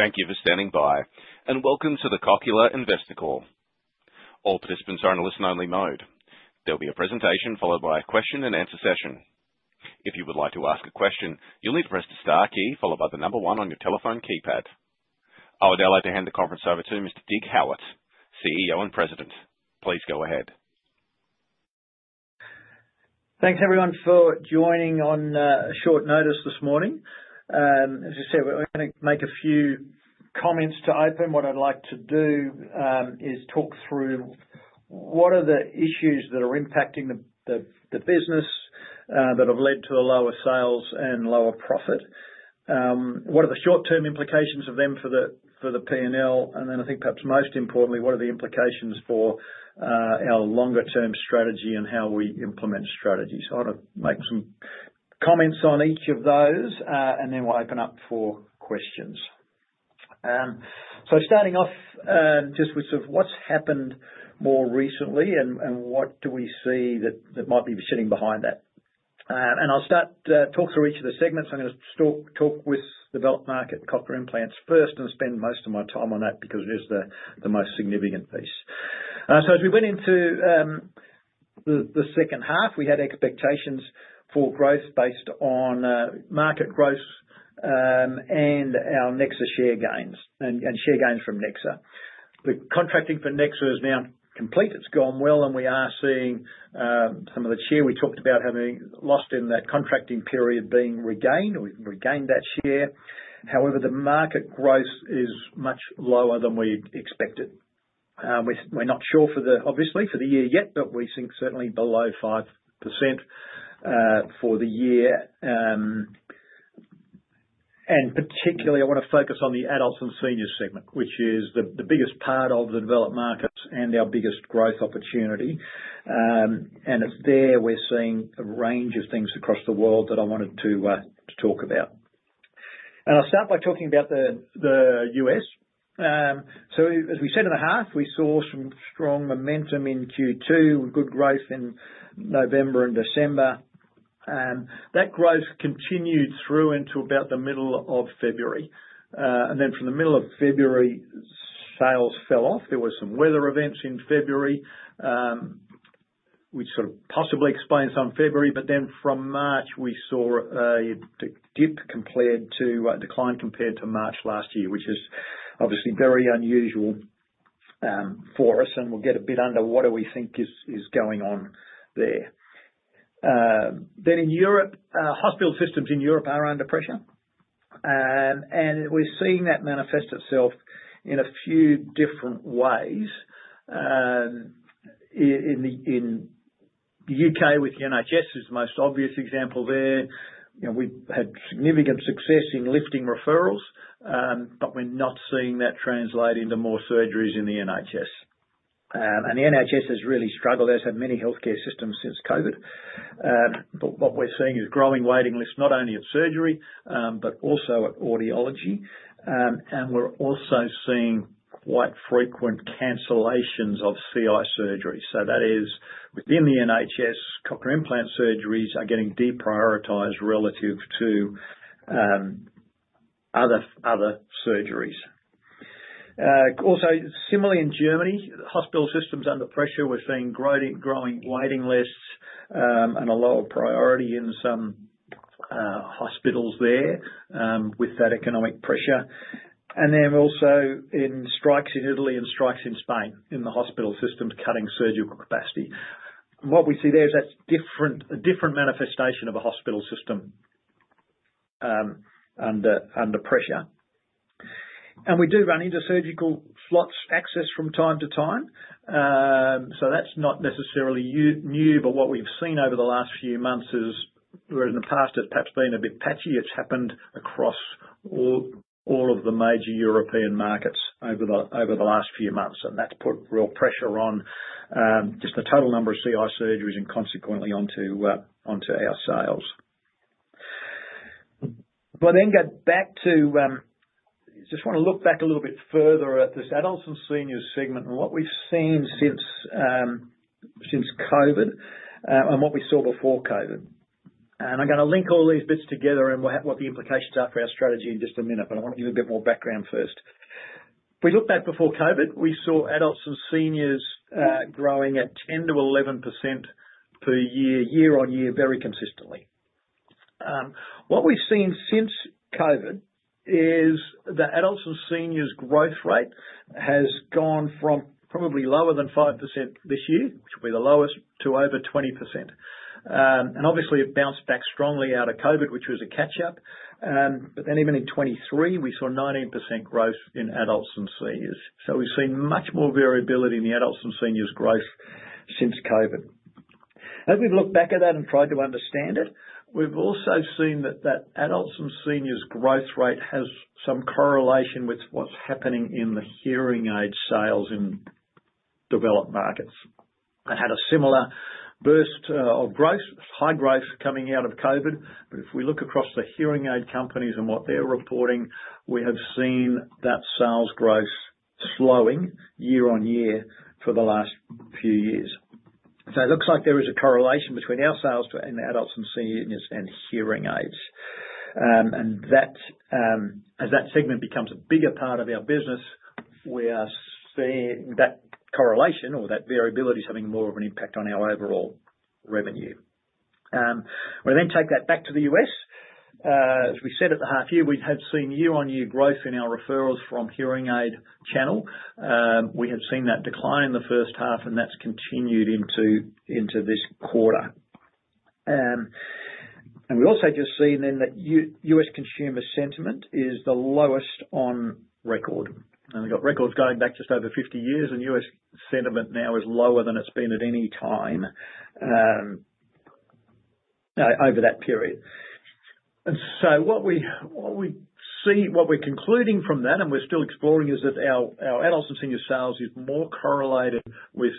Thank you for standing by and welcome to the Cochlear Investor Call. I would now like to hand the conference over to Mr. Dig Howitt, CEO and President. Please go ahead. Thanks everyone for joining on short notice this morning. As you said, we're gonna make a few comments to open. What I'd like to do is talk through what are the issues that are impacting the business that have led to a lower sales and lower profit. What are the short-term implications of them for the P&L? Then I think perhaps most importantly, what are the implications for our longer term strategy and how we implement strategy. I wanna make some comments on each of those, and then we'll open up for questions. Starting off, just with sort of what's happened more recently and what do we see that might be sitting behind that. I'll start, talk through each of the segments. I'm gonna talk with developed market Cochlear implants first and spend most of my time on that because it is the most significant piece. As we went into the second half, we had expectations for growth based on market growth and our Nexa share gains and share gains from Nexa. The contracting for Nexa is now complete. It's gone well, and we are seeing some of the share we talked about having lost in that contracting period being regained. We've regained that share. However, the market growth is much lower than we expected. We're not sure for the, obviously, for the year yet, but we think certainly below 5% for the year. Particularly I wanna focus on the Adults and Seniors segment, which is the biggest part of the developed markets and our biggest growth opportunity. It's there we're seeing a range of things across the world that I wanted to talk about. I'll start by talking about the U.S. As we said in the half, we saw some strong momentum in Q2 with good growth in November and December. That growth continued through until about the middle of February. Then from the middle of February, sales fell off. There were some weather events in February, which sort of possibly explains some February. From March, we saw a dip compared to, a decline compared to March last year, which is obviously very unusual for us, and we'll get a bit under what do we think is going on there. Hospital systems in Europe are under pressure. We're seeing that manifest itself in a few different ways. In the U.K. with the NHS is the most obvious example there. You know, we've had significant success in lifting referrals, we're not seeing that translate into more surgeries in the NHS. The NHS has really struggled, as have many healthcare systems since COVID. What we're seeing is growing waiting lists, not only at surgery, but also at audiology. We're also seeing quite frequent cancellations of CI surgeries. That is within the NHS, Cochlear implant surgeries are getting deprioritized relative to other surgeries. Also similarly in Germany, hospital systems under pressure. We're seeing growing waiting lists, and a lower priority in some hospitals there with that economic pressure. Also in strikes in Italy and strikes in Spain, in the hospital systems cutting surgical capacity. What we see there is that's different, a different manifestation of a hospital system under pressure. We do run into surgical slots access from time-to-time. That's not necessarily new, but what we've seen over the last few months is, whereas in the past it's perhaps been a bit patchy, it's happened across all of the major European markets over the last few months, and that's put real pressure on just the total number of CI surgeries and consequently onto our sales. Get back to just wanna look back a little bit further at this Adults and Seniors segment and what we've seen since since COVID and what we saw before COVID. I'm gonna link all these bits together and what the implications are for our strategy in just a minute, but I wanna give a bit more background first. If we look back before COVID, we saw adults and seniors growing at 10%-11% per year-on-year, very consistently. What we've seen since COVID is the adults and seniors growth rate has gone from probably lower than 5% this year, which will be the lowest, to over 20%. Obviously it bounced back strongly out of COVID, which was a catch-up. Even in 2023, we saw 19% growth in adults and seniors. We've seen much more variability in the adults and seniors growth since COVID. As we've looked back at that and tried to understand it, we've also seen that adults and seniors growth rate has some correlation with what's happening in the hearing aid sales in developed markets. They had a similar burst of growth, high growth coming out of COVID. If we look across the hearing aid companies and what they're reporting, we have seen that sales growth slowing year-on-year for the last few years. It looks like there is a correlation between our sales in adults and seniors and hearing aids. As that segment becomes a bigger part of our business, we are seeing that correlation or that variability is having more of an impact on our overall revenue. We then take that back to the U.S. As we said at the half year, we have seen year-on-year growth in our referrals from hearing aid channel. We have seen that decline in the first half, and that's continued into this quarter. We also just see then that U.S. consumer sentiment is the lowest on record. We've got records going back just over 50 years, and U.S. sentiment now is lower than it's been at any time over that period. What we see, what we're concluding from that, and we're still exploring, is that our adults and senior sales is more correlated with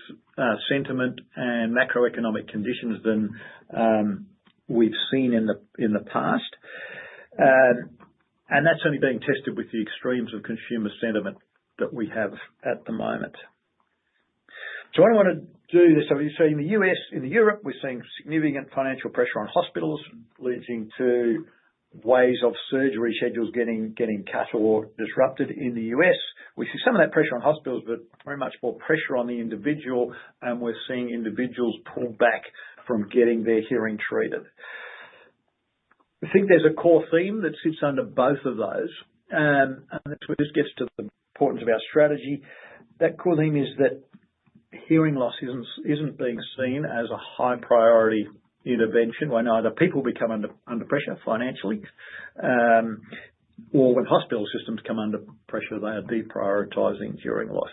sentiment and macroeconomic conditions than we've seen in the past. That's only being tested with the extremes of consumer sentiment that we have at the moment. I wanna do this. You see in the U.S., into Europe, we're seeing significant financial pressure on hospitals leading to ways of surgery schedules getting cut or disrupted in the U.S. We see some of that pressure on hospitals, but very much more pressure on the individual, and we're seeing individuals pull back from getting their hearing treated. I think there's a core theme that sits under both of those. That's where this gets to the importance of our strategy. That core theme is that hearing loss isn't being seen as a high priority intervention when either people become under pressure financially or when hospital systems come under pressure, they are deprioritizing hearing loss.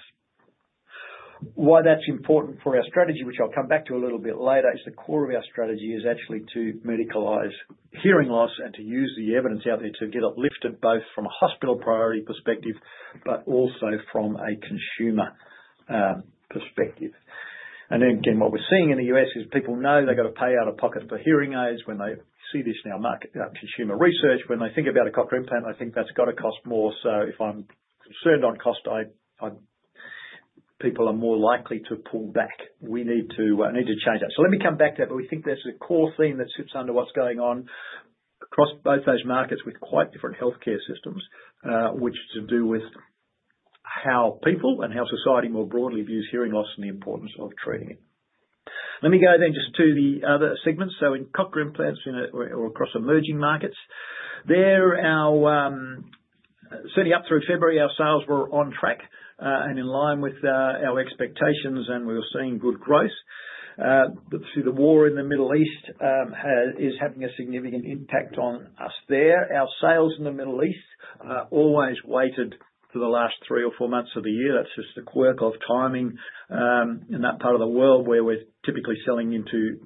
Why that's important for our strategy, which I'll come back to a little bit later, is the core of our strategy is actually to medicalize hearing loss and to use the evidence out there to get it lifted both from a hospital priority perspective, but also from a consumer perspective. Then again, what we're seeing in the U.S. is people know they've got to pay out-of-pocket for hearing aids. When they see this in our market, consumer research, when they think about a Cochlear implant, they think that's gotta cost more. If I'm concerned on cost, people are more likely to pull back. We need to change that. Let me come back to that. We think there's a core theme that sits under what's going on across both those markets with quite different healthcare systems, which is to do with how people and how society more broadly views hearing loss and the importance of treating it. Let me go then just to the other segments. In Cochlear implants, you know, or across emerging markets, there our, certainly up through February, our sales were on track and in line with our expectations, and we were seeing good growth. Through the war in the Middle East is having a significant impact on us there. Our sales in the Middle East are always weighted for the last three or four months of the year. That's just a quirk of timing in that part of the world where we're typically selling into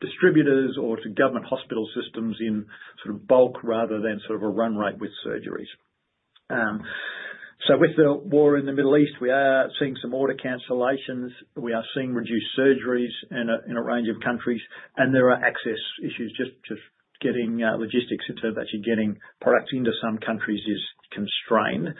distributors or to government hospital systems in sort of bulk rather than sort of a run rate with surgeries. With the war in the Middle East, we are seeing some order cancellations. We are seeing reduced surgeries in a range of countries, and there are access issues. Getting logistics in terms of actually getting product into some countries is constrained.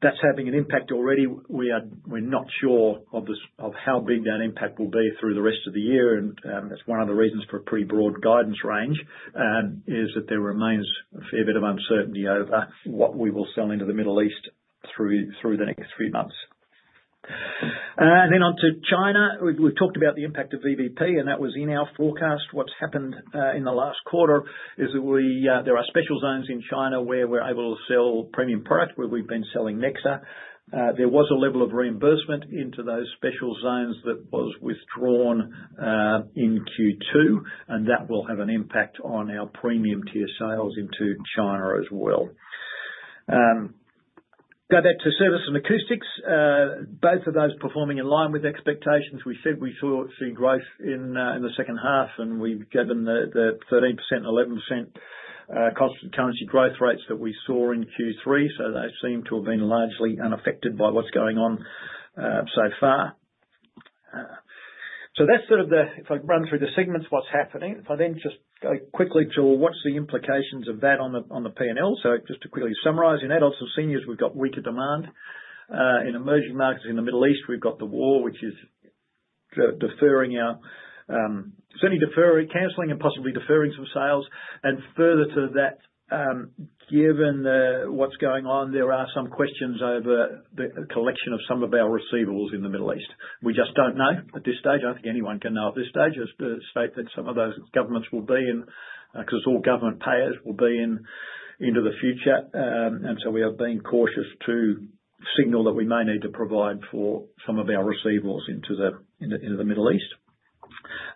That's having an impact already. We're not sure of how big that impact will be through the rest of the year. That's one of the reasons for a pretty broad guidance range, is that there remains a fair bit of uncertainty over what we will sell into the Middle East through the next few months. On to China. We've talked about the impact of VBP, and that was in our forecast. What's happened in the last quarter is that we, there are special zones in China where we're able to sell premium product, where we've been selling Nexa. There was a level of reimbursement into those special zones that was withdrawn in Q2. That will have an impact on our premium tier sales into China as well. Go back to Services and Acoustics. Both of those performing in line with expectations. We said we see growth in the second half, and we've given the 13%, 11% Constant Currency growth rates that we saw in Q3. They seem to have been largely unaffected by what's going on so far. That's sort of the, if I run through the segments, what's happening. If I then just go quickly to what's the implications of that on the P&L. Just to quickly summarize, in adults and seniors, we've got weaker demand. In emerging markets in the Middle East, we've got the war, which is deferring our certainly deferring, canceling and possibly deferring some sales. Further to that, given the what's going on, there are some questions over the collection of some of our receivables in the Middle East. We just don't know at this stage. I don't think anyone can know at this stage as to the state that some of those governments will be in, 'cause it's all government payers, will be in into the future. We are being cautious to signal that we may need to provide for some of our receivables in the Middle East.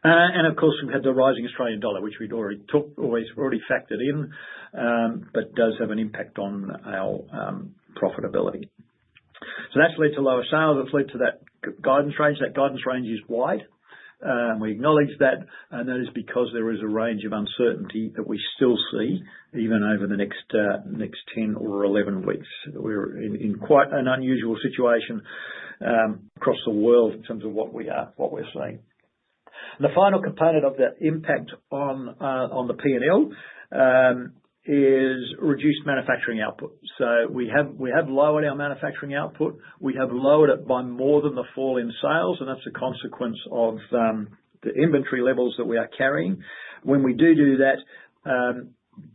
Of course, we've had the rising Australian dollar, which we'd already factored in, but does have an impact on our profitability. That's led to lower sales. That's led to that guidance range. That guidance range is wide. We acknowledge that, and that is because there is a range of uncertainty that we still see even over the next 10 or 11 weeks. We're in quite an unusual situation across the world in terms of what we're seeing. The final component of that impact on the P&L is reduced manufacturing output. We have lowered our manufacturing output. We have lowered it by more than the fall in sales, and that's a consequence of the inventory levels that we are carrying. When we do that,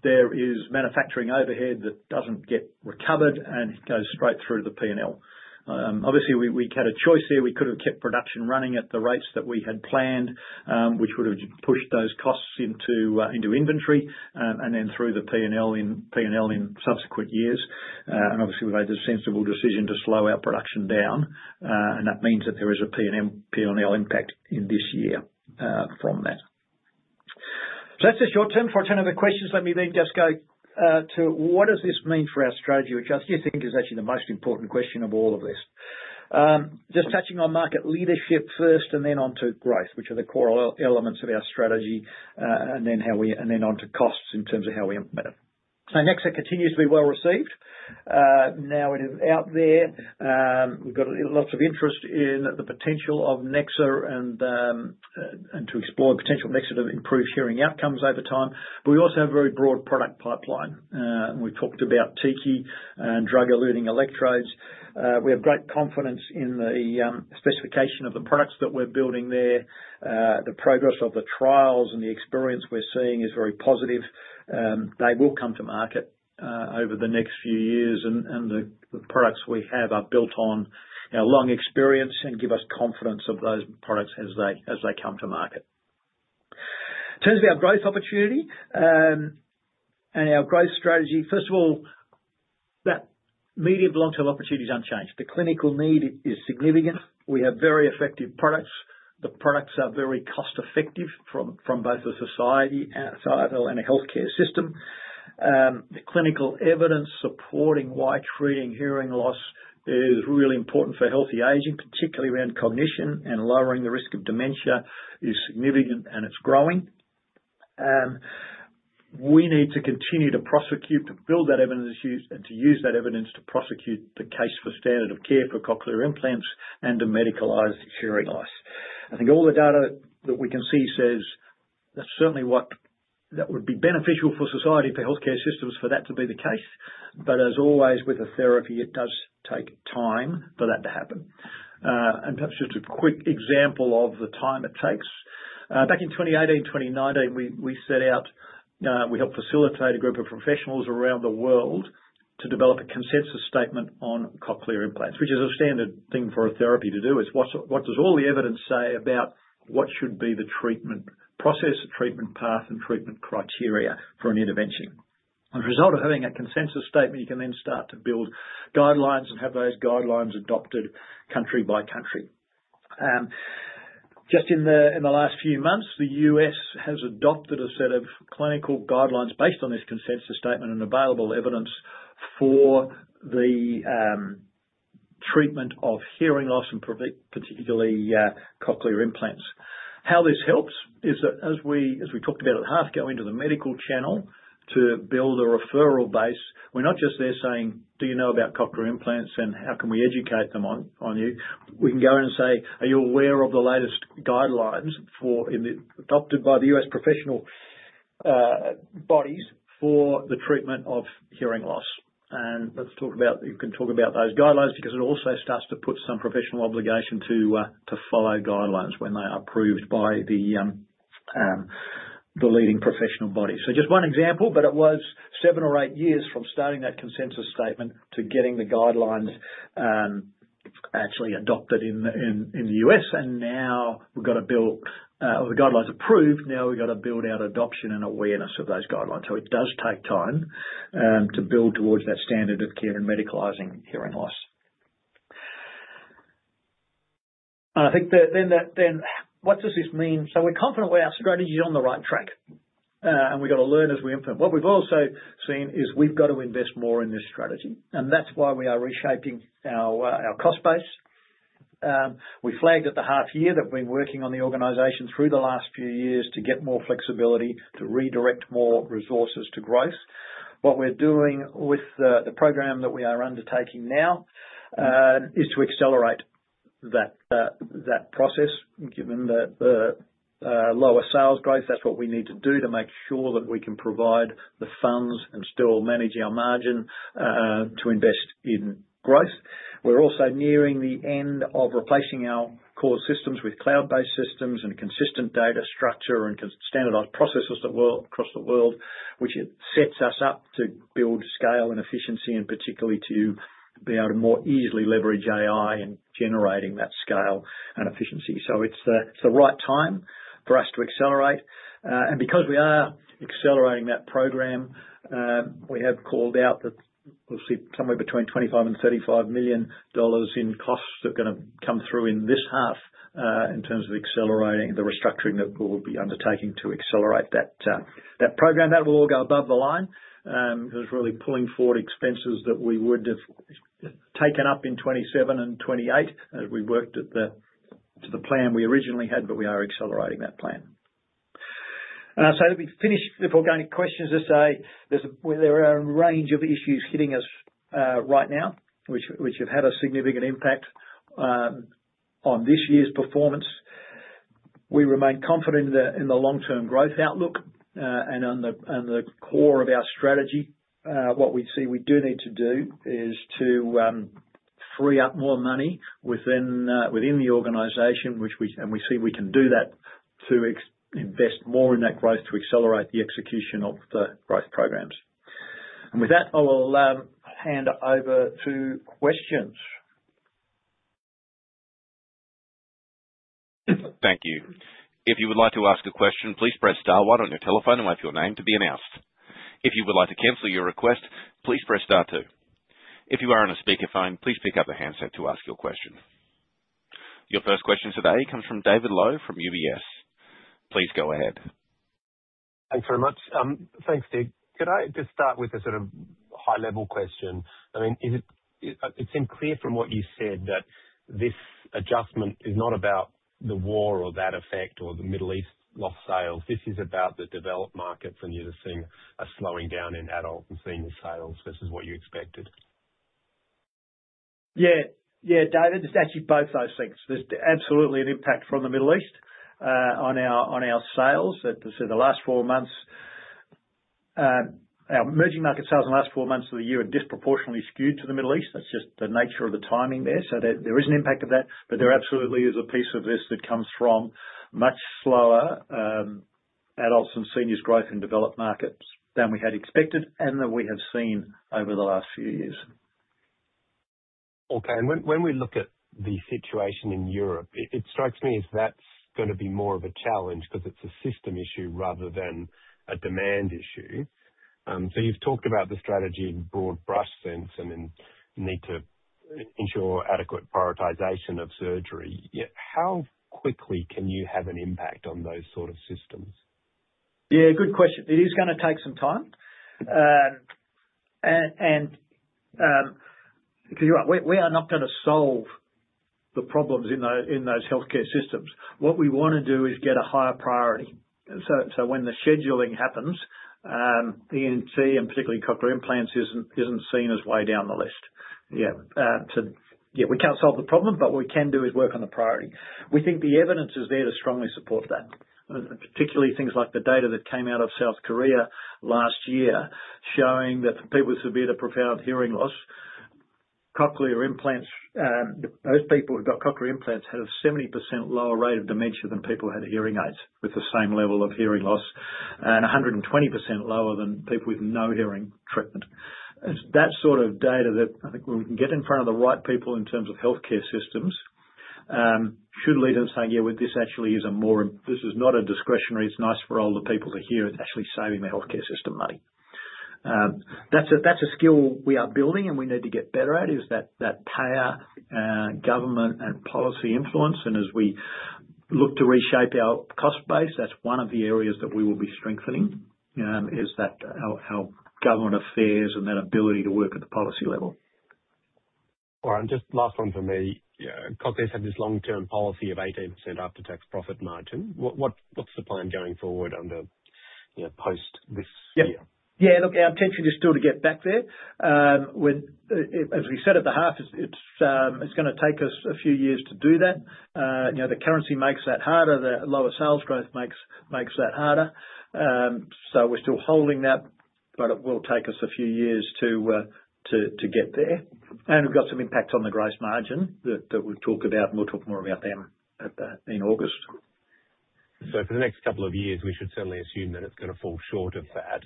there is manufacturing overhead that doesn't get recovered, and it goes straight through the P&L. Obviously, we had a choice here. We could have kept production running at the rates that we had planned, which would have pushed those costs into inventory, and then through the P&L in subsequent years. Obviously, we made the sensible decision to slow our production down. That means that there is a P&L impact in this year from that. That's the short term. For our term other questions, let me then just go to what does this mean for our strategy? I do think is actually the most important question of all of this. Just touching on market leadership first and then on to growth, which are the core elements of our strategy, and then on to costs in terms of how we implement them. Nexa continues to be well-received. Now it is out there. We've got a lot of interest in the potential of Nexa and to explore the potential of Nexa to improve hearing outcomes over time. We also have a very broad product pipeline, and we've talked about TICI and drug-eluting electrodes. We have great confidence in the specification of the products that we're building there. The progress of the trials and the experience we're seeing is very positive. They will come to market over the next few years. The products we have are built on our long experience and give us confidence of those products as they come to market. In terms of our growth opportunity and our growth strategy, first of all, that medium to long-term opportunity is unchanged. The clinical need is significant. We have very effective products. The products are very cost-effective from both the societal and a healthcare system. The clinical evidence supporting why treating hearing loss is really important for healthy aging, particularly around cognition and lowering the risk of dementia, is significant, and it's growing. We need to continue to prosecute, to build that evidence and to use that evidence to prosecute the case for standard of care for Cochlear implants and to medicalize hearing loss. I think all the data that we can see says that's certainly what would be beneficial for society, for healthcare systems, for that to be the case. As always, with a therapy, it does take time for that to happen. Perhaps just a quick example of the time it takes. Back in 2018, 2019, we set out, we helped facilitate a group of professionals around the world to develop a consensus statement on Cochlear implants, which is a standard thing for a therapy to do, what does all the evidence say about what should be the treatment process, treatment path, and treatment criteria for an intervention? A result of having a consensus statement, you can then start to build guidelines and have those guidelines adopted country by country. Just in the last few months, the U.S. has adopted a set of clinical guidelines based on this consensus statement and available evidence for the treatment of hearing loss and particularly Cochlear implants. How this helps is that as we talked about at half, go into the medical channel to build a referral base, we're not just there saying, "Do you know about Cochlear implants, and how can we educate them on you?" We can go in and say, "Are you aware of the latest guidelines for adopted by the U.S. professional bodies for the treatment of hearing loss?" Let's talk about you can talk about those guidelines because it also starts to put some professional obligation to follow guidelines when they are approved by the leading professional body. Just one example, but it was seven or eight years from starting that consensus statement to getting the guidelines actually adopted in the U.S. Now we've got to build. The guidelines approved, now we've got to build out adoption and awareness of those guidelines. It does take time to build towards that standard of care and medicalizing hearing loss. I think that then what does this mean? We're confident with our strategy is on the right track, and we've got to learn as we implement. What we've also seen is we've got to invest more in this strategy, and that's why we are reshaping our cost base. We flagged at the half year that we've been working on the organization through the last few years to get more flexibility to redirect more resources to growth. What we're doing with the program that we are undertaking now is to accelerate that process, given the lower sales growth. That's what we need to do to make sure that we can provide the funds and still manage our margin to invest in growth. We're also nearing the end of replacing our core systems with cloud-based systems and consistent data structure and standardized processes across the world, which it sets us up to build scale and efficiency, and particularly to be able to more easily leverage AI in generating that scale and efficiency. It's the right time for us to accelerate. Because we are accelerating that program, we have called out that we'll see somewhere between 25 million and 35 million dollars in costs that are gonna come through in this half in terms of accelerating the restructuring that we'll be undertaking to accelerate that program. That will all go above the line, 'cause it's really pulling forward expenses that we would have taken up in 2027 and 2028 as we worked to the plan we originally had, but we are accelerating that plan. Let me finish before going to questions to say there are a range of issues hitting us right now, which have had a significant impact on this year's performance. We remain confident in the long-term growth outlook and on the core of our strategy. What we see we do need to do is to free up more money within the organization, and we see we can do that to invest more in that growth to accelerate the execution of the growth programs. With that, I will hand over to questions. Thank you. If you would like to ask a question, please press star one on your telephone and wait for your name to be announced. If you would like to cancel your request, please press star two. If you are on a speakerphone, please pick up the handset to ask your question. Your first question today comes from David Low from UBS. Please go ahead. Thanks very much. Thanks, Steve. Could I just start with a sort of high-level question? I mean, It seems clear from what you said that this adjustment is not about the war or that effect or the Middle East lost sales. This is about the developed markets, and you're just seeing a slowing down in adult and senior sales versus what you expected. Yeah. Yeah, David, it's actually both those things. There's absolutely an impact from the Middle East on our sales. The last four months, our emerging market sales in the last four months of the year are disproportionately skewed to the Middle East. That's just the nature of the timing there. There is an impact of that, but there absolutely is a piece of this that comes from much slower adults and seniors growth in developed markets than we had expected and that we have seen over the last few years. Okay. When we look at the situation in Europe, it strikes me as that's gonna be more of a challenge because it's a system issue rather than a demand issue. You've talked about the strategy in broad brush sense. I mean, you need to ensure adequate prioritization of surgery. How quickly can you have an impact on those sort of systems? Yeah, good question. It is gonna take some time. You're right, we are not gonna solve the problems in those healthcare systems. What we wanna do is get a higher priority. When the scheduling happens, ENT and particularly Cochlear implants isn't seen as way down the list. Yeah, we can't solve the problem, what we can do is work on the priority. We think the evidence is there to strongly support that, particularly things like the data that came out of South Korea last year showing that for people with severe to profound hearing loss, Cochlear implants, those people who've got Cochlear implants have 70% lower rate of dementia than people who had hearing aids with the same level of hearing loss and 120% lower than people with no hearing treatment. It's that sort of data that I think when we can get in front of the right people in terms of healthcare systems, should lead them to say, "Yeah, well, this actually is not a discretionary. It's nice for older people to hear. It's actually saving the healthcare system money." That's a skill we are building, and we need to get better at, is that payer, government and policy influence. As we look to reshape our cost base, that's one of the areas that we will be strengthening, is that our government affairs and that ability to work at the policy level. All right. Just last one from me. Yeah. Cochlear's had this long-term policy of 18% after-tax profit margin. What's the plan going forward under, you know, post this year? Our intention is still to get back there. As we said at the half, it's going to take us a few years to do that. You know, the currency makes that harder. The lower sales growth makes that harder. We're still holding that, but it will take us a few years to get there. We've got some impacts on the gross margin that we've talked about, and we'll talk more about them in August. For the next couple of years, we should certainly assume that it's going to fall short of that.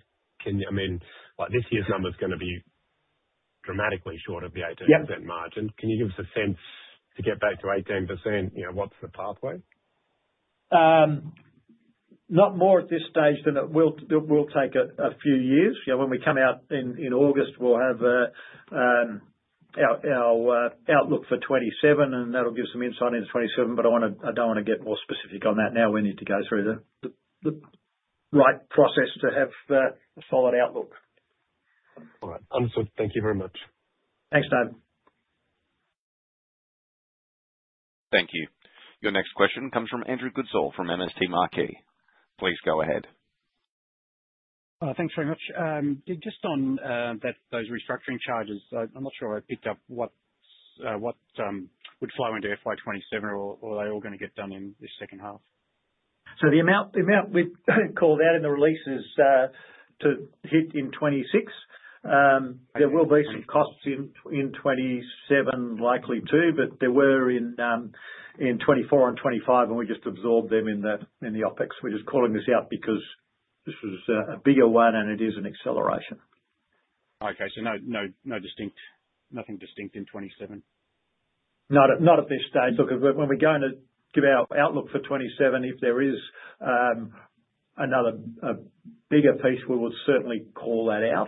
I mean, like, this year's number's going to be dramatically short of the 18% margin. Can you give us a sense to get back to 18%, you know, what's the pathway? Not more at this stage than it will take a few years. You know, when we come out in August, we'll have our outlook for 2027, and that'll give some insight into 2027. I don't wanna get more specific on that now. We need to go through the right process to have a solid outlook. All right. Wonderful. Thank you very much. Thanks, Dave. Thank you. Your next question comes from Andrew Goodsall from MST Marquee. Please go ahead. Thanks very much. Just on that, those restructuring charges, I'm not sure I picked up what would flow into FY 2027 or are they all gonna get done in this second half? The amount we've called out in the release is to hit in 2026. There will be some costs in 2027 likely too, but there were in 2024 and 2025, and we just absorbed them in the OpEx. We're just calling this out because this was a bigger one, and it is an acceleration. Okay. No distinct nothing distinct in 2027? Not at this stage. Look, when we go in to give our outlook for 2027, if there is another, a bigger piece, we will certainly call that out.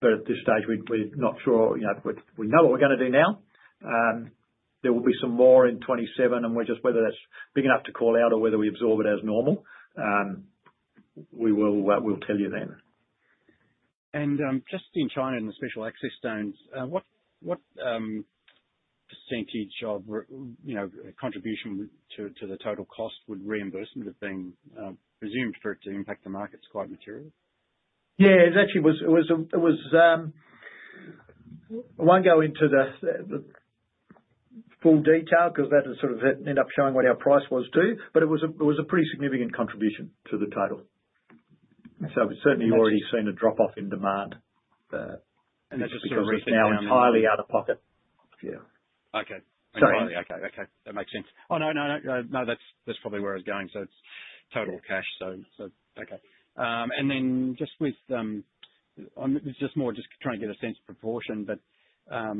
At this stage we're not sure. You know, we know what we're gonna do now. There will be some more in 2027, we're just whether that's big enough to call out or whether we absorb it as normal, we will tell you then. Just in China and the special access zones, what percentage of you know, contribution to the total cost would reimbursement have been presumed for it to impact the markets quite material? Yeah. It actually was, I won't go into the full detail 'cause that would sort of end up showing what our price was, too, but it was a pretty significant contribution to the total. We've certainly already seen a drop-off in demand. That's just because it's. It's now entirely out of pocket. Yeah. Okay. Sorry. Entirely. Okay. Okay. That makes sense. Oh, no, no. That's probably where I was going. It's total cash, okay. Then just with, I'm just more just trying to get a sense of proportion, but,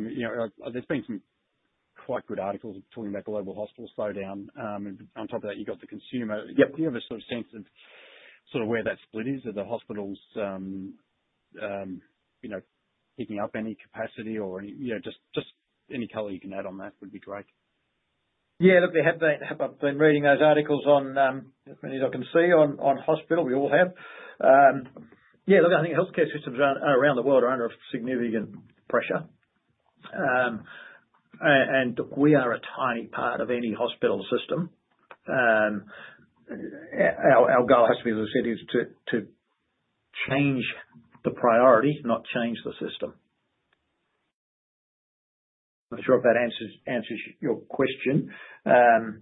you know, there's been some quite good articles talking about global hospital slowdown. On top of that, you've got the consumer. Do you have a sort of sense of sort of where that split is? Are the hospitals, you know, picking up any capacity or, you know, just any color you can add on that would be great. Yeah. Look, they have been reading those articles on, as I can see on hospital. We all have. Yeah, look, I think healthcare systems around the world are under significant pressure. Look, we are a tiny part of any hospital system. Our goal has to be, as I said, is to change the priority, not change the system. Not sure if that answers your question. Well,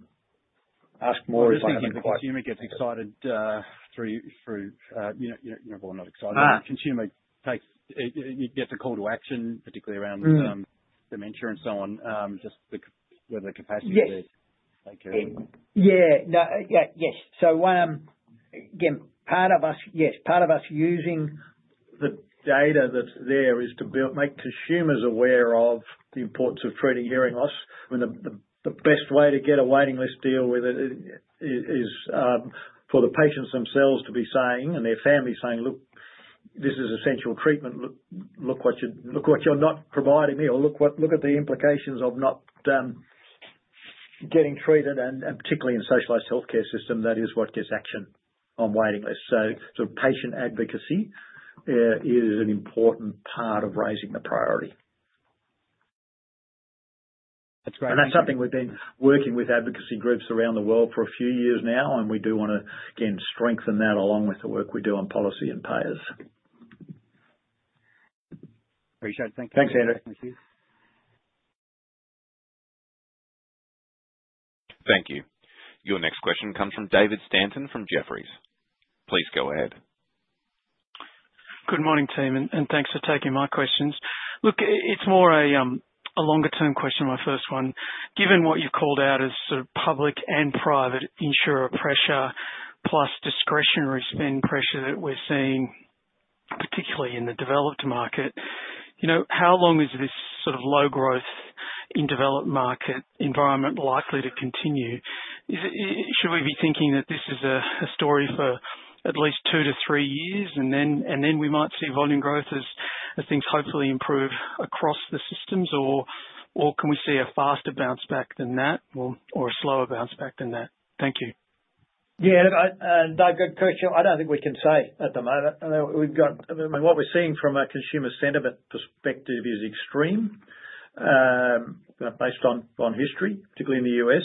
just thinking if the consumer gets excited, through, you know, well, not excited. Consumer takes, you get the call to action, particularly around, dementia and so on. Just the, where the capacity is. Yes. Okay. Yeah. No. Yeah. Yes. Again, part of us, yes. Part of us using the data that's there is to build, make consumers aware of the importance of treating hearing loss. When the best way to get a waiting list deal with it is for the patients themselves to be saying and their family saying, "Look, this is essential treatment. Look what you're not providing me," or, "Look at the implications of not getting treated." Particularly in socialized healthcare system, that is what gets action on waiting lists. Sort of patient advocacy is an important part of raising the priority. That's great. That's something we've been working with advocacy groups around the world for a few years now, and we do wanna, again, strengthen that along with the work we do on policy and payers. Appreciate it. Thank you. Thanks, Andrew. Thank you. Your next question comes from David Stanton from Jefferies. Please go ahead. Good morning, team, and thanks for taking my questions. Look, it's more a longer-term question, my first one. Given what you've called out as sort of public and private insurer pressure plus discretionary spend pressure that we're seeing, particularly in the developed market, you know, how long is this sort of low growth in developed market environment likely to continue? Should we be thinking that this is a story for at least two to three years, and then we might see volume growth as things hopefully improve across the systems? Or can we see a faster bounce back than that or a slower bounce back than that? Thank you. Yeah. Dave, good question. I don't think we can say at the moment. You know, I mean, what we're seeing from a consumer sentiment perspective is extreme, based on history, particularly in the U.S.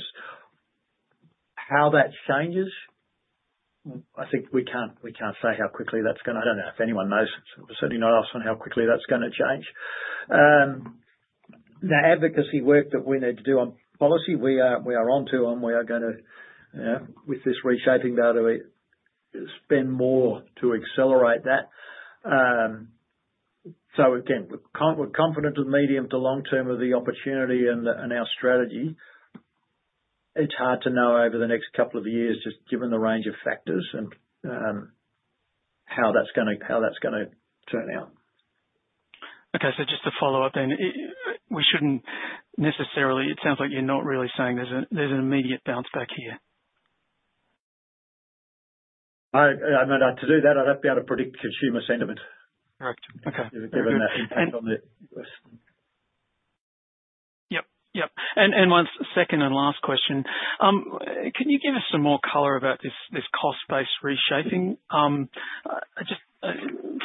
How that changes, I think we can't say I don't know if anyone knows. Certainly not us on how quickly that's gonna change. The advocacy work that we need to do on policy, we are onto and we are gonna, with this reshaping go to spend more to accelerate that. Again, we're confident in the medium to long term of the opportunity and our strategy. It's hard to know over the next couple of years just given the range of factors and how that's gonna turn out. Okay. Just to follow up then. We shouldn't necessarily, it sounds like you're not really saying there's an immediate bounce back here? No, to do that, I'd have to be able to predict consumer sentiment. Right. Okay. Given the impact on. Yep. Yep. My second and last question. Can you give us some more color about this cost-based reshaping?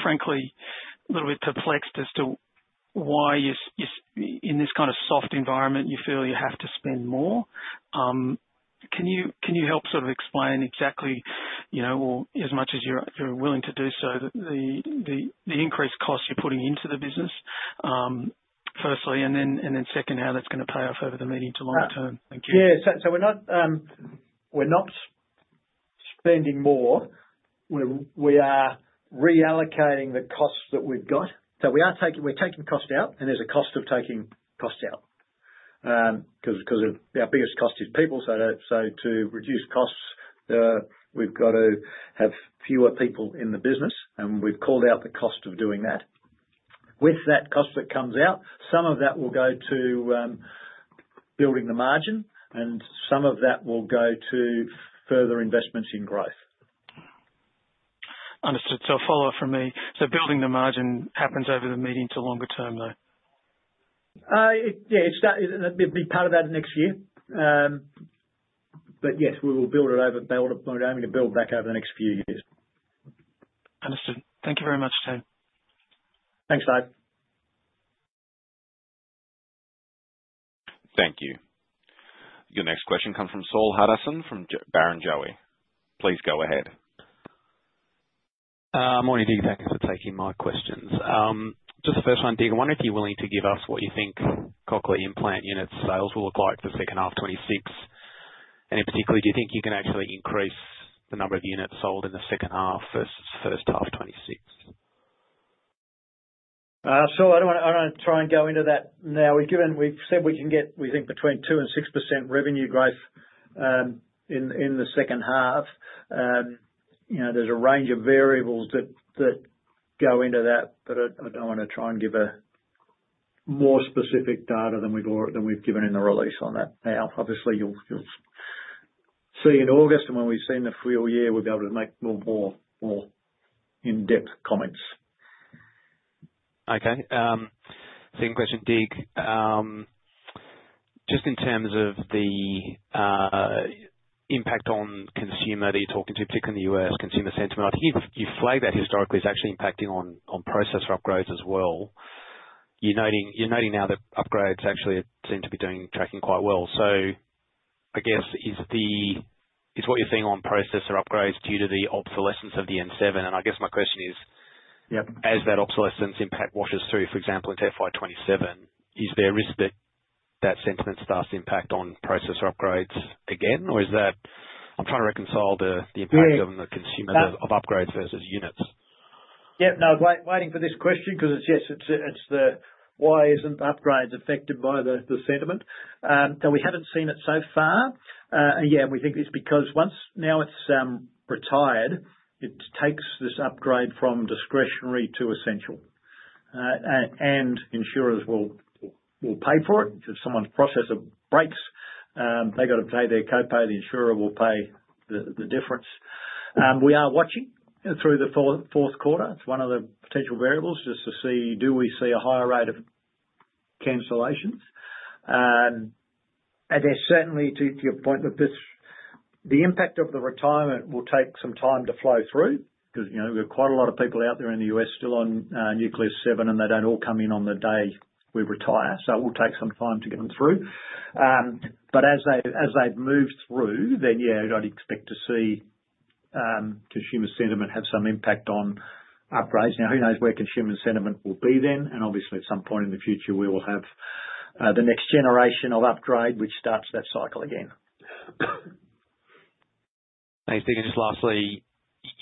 Frankly, a little bit perplexed as to why you in this kind of soft environment, you feel you have to spend more. Can you help sort of explain exactly, you know, or as much as you're willing to do so, the increased cost you're putting into the business, firstly, and then second how that's gonna pay off over the medium to long term? Thank you. Yeah. We're not spending more. We are reallocating the costs that we've got. We're taking cost out, and there's a cost of taking costs out, 'cause our biggest cost is people. To reduce costs, we've got to have fewer people in the business, and we've called out the cost of doing that. With that cost that comes out, some of that will go to building the margin and some of that will go to further investments in growth. Understood. A follow-up from me. Building the margin happens over the medium to longer term, though? It, yeah, it'll be part of that next year. Yes, we're aiming to build back over the next few years. Understood. Thank you very much, Dig. Thanks, Dave. Thank you. Your next question comes from Saul Hadassin from Barrenjoey. Please go ahead. Morning to you guys for taking my questions. Just the first one, Dig, I wonder if you're willing to give us what you think Cochlear implant unit sales will look like for the second half of 2026? In particular, do you think you can actually increase the number of units sold in the second half versus first half of 2026? Saul, I don't wanna try and go into that now. We've said we can get, we think, between 2% and 6% revenue growth in the second half. You know, there's a range of variables that go into that, but I don't wanna try and give a more specific data than we've given in the release on that now. Obviously, you'll see in August and when we've seen the full year, we'll be able to make more in-depth comments. Okay. Second question, Dig. Just in terms of the impact on consumer that you're talking to, particularly in the U.S., consumer sentiment, I think you flagged that historically it's actually impacting on processor upgrades as well. You're noting now that upgrades actually seem to be doing, tracking quite well. I guess is what you're seeing on processor upgrades due to the obsolescence of the N7? As that obsolescence impact washes through, for example, into FY 2027, is there a risk that that sentiment starts to impact on processor upgrades again? I'm trying to reconcile the impact on the consumer of upgrades versus units. No. Waiting for this question because it's, yes, it's the why isn't upgrades affected by the sentiment. We haven't seen it so far. We think it's because once Now it's retired, it takes this upgrade from discretionary to essential. Insurers will pay for it. If someone's processor breaks, they've got to pay their co-pay, the insurer will pay the difference. We are watching through the fourth quarter. It's one of the potential variables just to see, do we see a higher rate of cancellations? There's certainly, to your point, that the impact of the retirement will take some time to flow through 'cause, you know, we have quite a lot of people out there in the U.S. still on Nucleus 7, and they don't all come in on the day we retire, so it will take some time to get them through. As they move through, yeah, I'd expect to see consumer sentiment have some impact on upgrades. Now, who knows where consumer sentiment will be then, and obviously at some point in the future, we will have the next generation of upgrade, which starts that cycle again. Thanks, Dig. Just lastly,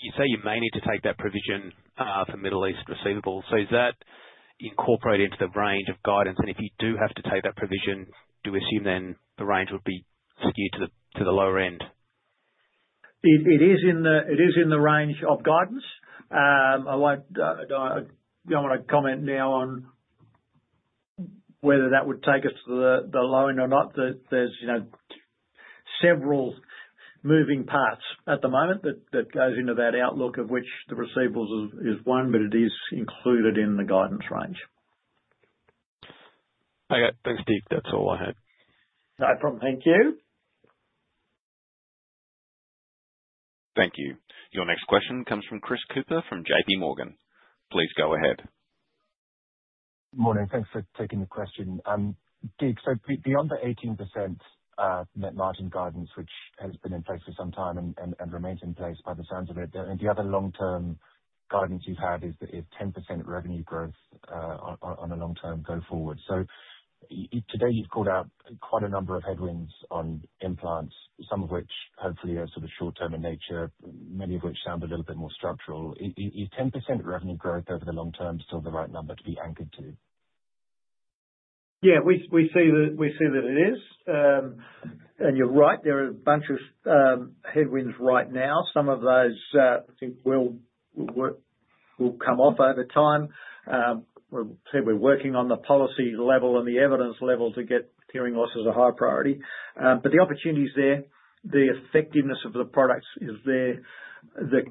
you say you may need to take that provision for Middle East receivables. Is that incorporated into the range of guidance? If you do have to take that provision, do we assume then the range would be skewed to the lower end? It is in the range of guidance. I won't, I don't wanna comment now on whether that would take us to the low end or not. There's, you know, several moving parts at the moment that goes into that outlook of which the receivables is one, but it is included in the guidance range. Okay. Thanks, Dig. That's all I had. No problem. Thank you. Thank you. Your next question comes from Chris Cooper from JPMorgan. Please go ahead. Morning. Thanks for taking the question. Dig, Beyond the 18% net margin guidance, which has been in place for some time and remains in place by the sounds of it, the other long-term guidance you've had is 10% revenue growth, on a long term go forward. Today you've called out quite a number of headwinds on implants, some of which hopefully are sort of short term in nature, many of which sound a little bit more structural. Is 10% revenue growth over the long term still the right number to be anchored to? Yeah. We see that it is. You're right, there are a bunch of headwinds right now. Some of those, I think will come off over time. We said we're working on the policy level and the evidence level to get hearing loss as a high priority. The opportunity is there. The effectiveness of the products is there. The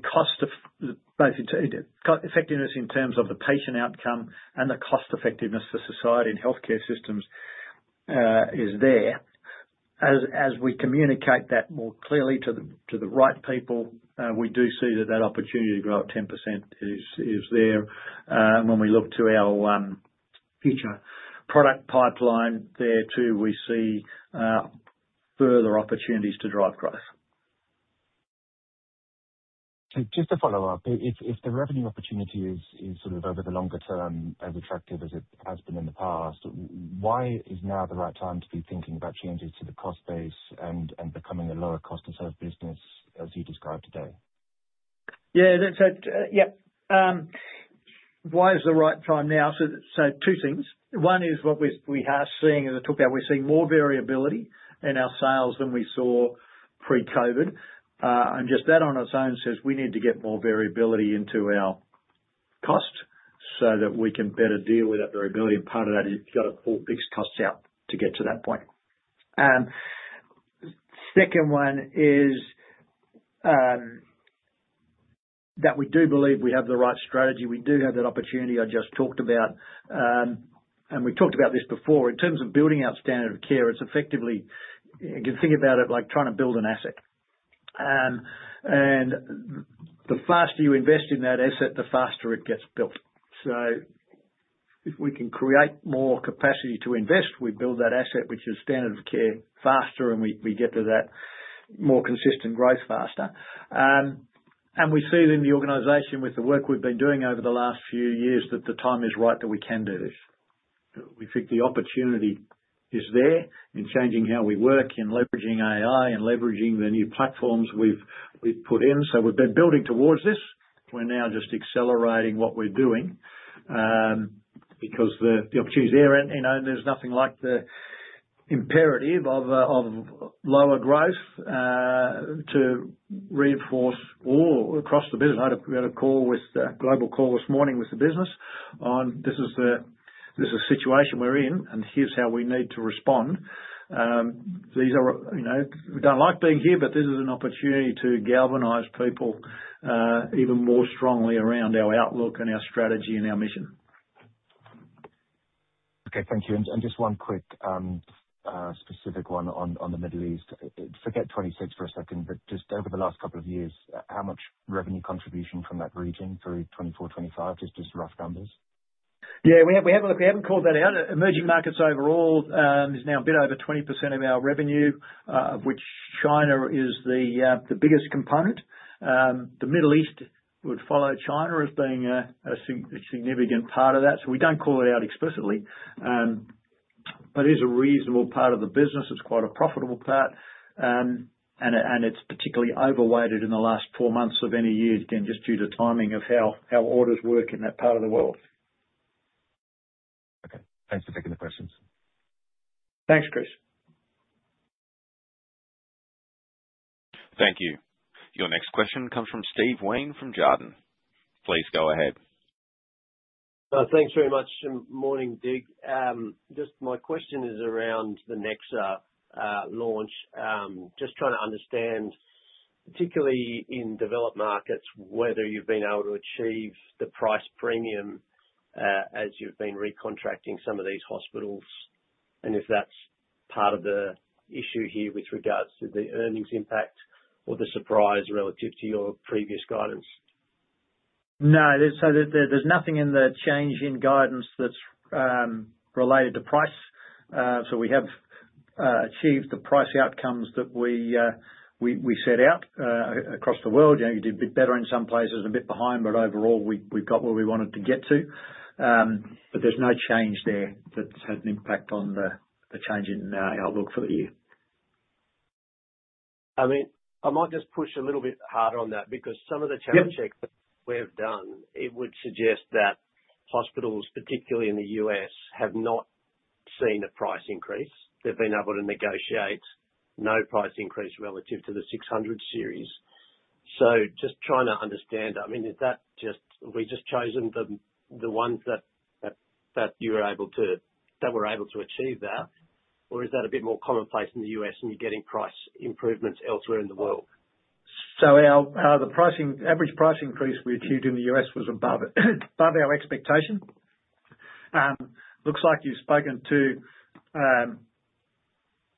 cost of effectiveness in terms of the patient outcome and the cost effectiveness for society and healthcare systems is there. As we communicate that more clearly to the right people, we do see that that opportunity to grow at 10% is there. When we look to our future product pipeline, there too, we see further opportunities to drive growth. Just a follow-up. If the revenue opportunity is sort of over the longer term as attractive as it has been in the past, why is now the right time to be thinking about changes to the cost base and becoming a lower cost of service business as you described today? Yeah. That's it. Yep. Why is the right time now? Two things. One is we are seeing, as I talked about, we're seeing more variability in our sales than we saw pre-COVID. Just that on its own says we need to get more variability into our cost so that we can better deal with that variability. Part of that is you've got to pull fixed costs out to get to that point. Second one is we do believe we have the right strategy. We do have that opportunity I just talked about. We've talked about this before. In terms of building our standard of care, it's effectively, you can think about it like trying to build an asset. The faster you invest in that asset, the faster it gets built. If we can create more capacity to invest, we build that asset, which is standard of care, faster, and we get to that more consistent growth faster. We see it in the organization with the work we've been doing over the last few years, that the time is right that we can do this. We think the opportunity is there in changing how we work, in leveraging AI, in leveraging the new platforms we've put in. We've been building towards this. We're now just accelerating what we're doing, because the opportunity is there. You know, there's nothing like the imperative of lower growth to reinforce all across the business. We had a call with global call this morning with the business on this is the situation we're in. Here's how we need to respond. These are, you know, we don't like being here. This is an opportunity to galvanize people even more strongly around our outlook and our strategy and our mission. Okay, thank you. Just one quick specific one on the Middle East. Forget 2026 for a second, just over the last couple of years, how much revenue contribution from that region through 2024, 2025, just rough numbers? Yeah, we haven't called that out. Emerging markets overall is now a bit over 20% of our revenue, which China is the biggest component. The Middle East would follow China as being a significant part of that. We don't call it out explicitly, but it is a reasonable part of the business. It's quite a profitable part. It's particularly overweighted in the last four months of any year, again, just due to timing of how our orders work in that part of the world. Okay. Thanks for taking the questions. Thanks, Chris. Thank you. Your next question comes from Steven Wheen from Jarden. Please go ahead. Thanks very much. Morning, Dig. Just my question is around the Nexa launch. Just trying to understand, particularly in developed markets, whether you've been able to achieve the price premium as you've been recontracting some of these hospitals, and if that's part of the issue here with regards to the earnings impact or the surprise relative to your previous guidance. No. There's nothing in the change in guidance that's related to price. We have achieved the pricing outcomes that we set out across the world. You know, we did a bit better in some places and a bit behind, but overall, we've got where we wanted to get to. There's no change there that's had an impact on the change in our outlook for the year. I mean, I might just push a little bit harder on that channel checks that we've done, it would suggest that hospitals, particularly in the U.S., have not seen a price increase. They've been able to negotiate no price increase relative to the 600 Series. Just trying to understand that. I mean, is that just we just chosen the ones that were able to achieve that? Or is that a bit more commonplace in the U.S., and you're getting price improvements elsewhere in the world? Our, the pricing, average price increase we achieved in the U.S. was above it, above our expectation. Looks like you've spoken to,